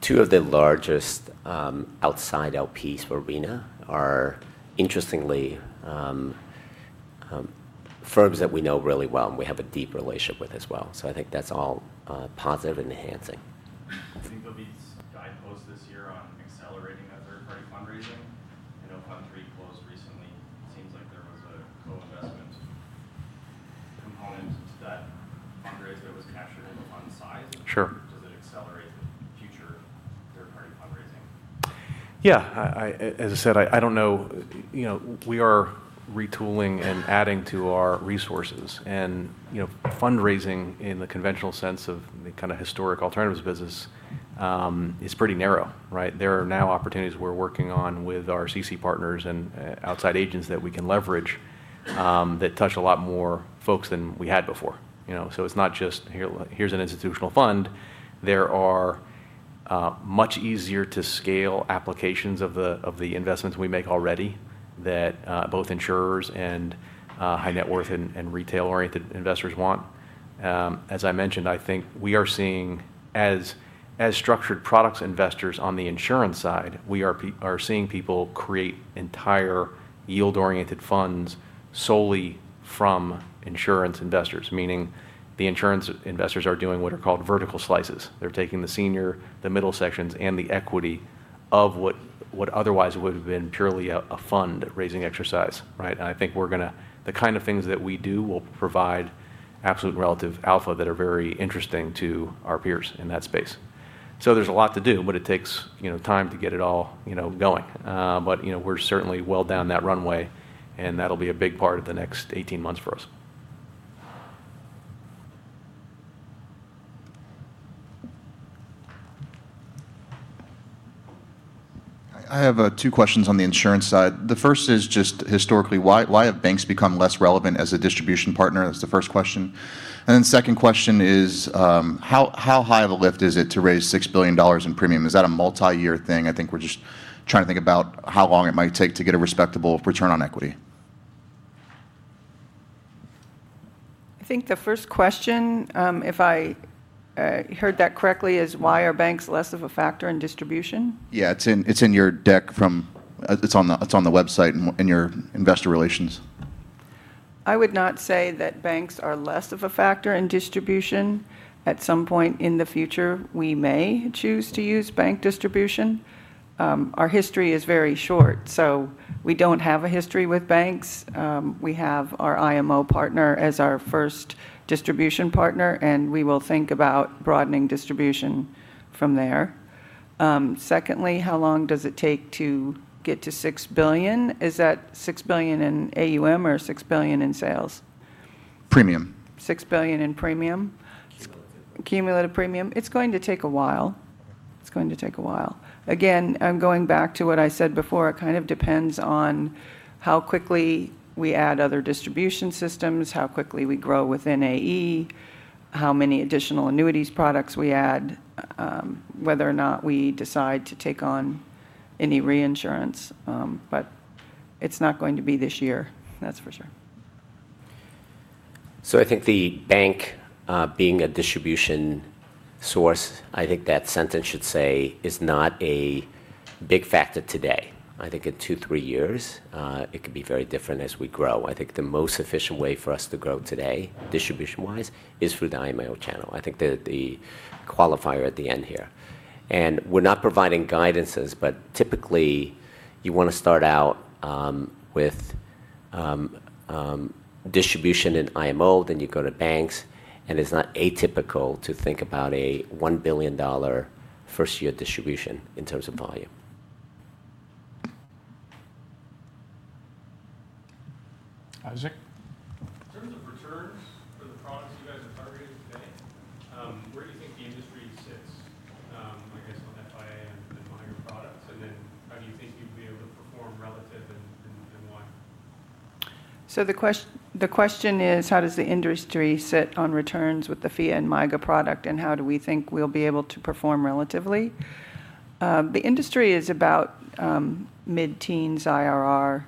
Two of the largest outside LPs for Arena are, interestingly, firms that we know really well and we have a deep relationship with as well. I think that's all positive and enhancing. I think of these guideposts this year on accelerating that third-party fundraising. I know Fund 3 closed recently. It seems like there was a co-investment component to that fundraiser that was captured in the fund size. Yeah. As I said, I do not know. We are retooling and adding to our resources. Fundraising in the conventional sense of the kind of historic alternatives business is pretty narrow. There are now opportunities we are working on with our CC partners and outside agents that we can leverage that touch a lot more folks than we had before. It is not just, "Here is an institutional fund." There are much easier-to-scale applications of the investments we make already that both insurers and high-net-worth and retail-oriented investors want. As I mentioned, I think we are seeing as structured products investors on the insurance side, we are seeing people create entire yield-oriented funds solely from insurance investors. Meaning the insurance investors are doing what are called vertical slices. They are taking the senior, the middle sections, and the equity of what otherwise would have been purely a fundraising exercise. I think we are going to—the kind of things that we do will provide absolute relative alpha that are very interesting to our peers in that space. There is a lot to do, but it takes time to get it all going. We are certainly well down that runway, and that will be a big part of the next 18 months for us. I have two questions on the insurance side. The first is just historically, why have banks become less relevant as a distribution partner? That is the first question. The second question is, how high of a lift is it to raise $6 billion in premium? Is that a multi-year thing? I think we are just trying to think about how long it might take to get a respectable return on equity. I think the first question, if I heard that correctly, is why are banks less of a factor in distribution? Yeah. It's in your deck from—it's on the website in your investor relations. I would not say that banks are less of a factor in distribution. At some point in the future, we may choose to use bank distribution. Our history is very short. So we do not have a history with banks. We have our IMO partner as our first distribution partner, and we will think about broadening distribution from there. Secondly, how long does it take to get to $6 billion? Is that $6 billion in AUM or $6 billion in sales? Premium. $6 billion in premium. Cumulative premium. It's going to take a while. It's going to take a while. Again, I'm going back to what I said before. It kind of depends on how quickly we add other distribution systems, how quickly we grow within AE, how many additional annuity products we add, whether or not we decide to take on any reinsurance. It's not going to be this year. That's for sure. I think the bank being a distribution source, I think that sentence should say is not a big factor today. I think in two years-three years, it could be very different as we grow. I think the most efficient way for us to grow today, distribution-wise, is through the IMO channel. I think they're the qualifier at the end here. We're not providing guidances, but typically, you want to start out with distribution in IMO, then you go to banks. It's not atypical to think about a $1 billion first-year distribution in terms of volume. Isaac. In terms of returns for the products you guys are targeting today, where do you think the industry sits, I guess, on FIA and the MIGA products? How do you think you'd be able to perform relative and why? The question is, how does the industry sit on returns with the FIA and MIGA product, and how do we think we'll be able to perform relatively? The industry is about mid-teens IRR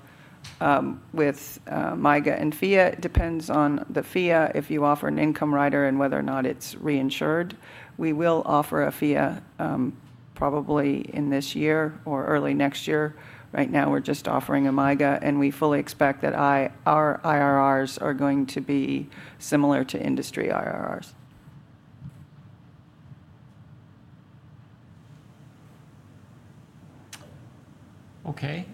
with MIGA and FIA. It depends on the FIA if you offer an income rider and whether or not it's reinsured. We will offer a FIA probably in this year or early next year. Right now, we're just offering a MIGA, and we fully expect that our IRRs are going to be similar to industry IRRs. Okay.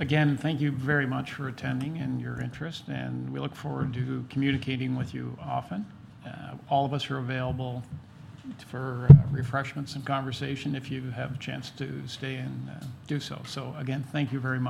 Again, thank you very much for attending and your interest. We look forward to communicating with you often. All of us are available for refreshments and conversation if you have a chance to stay and do so. Again, thank you very much.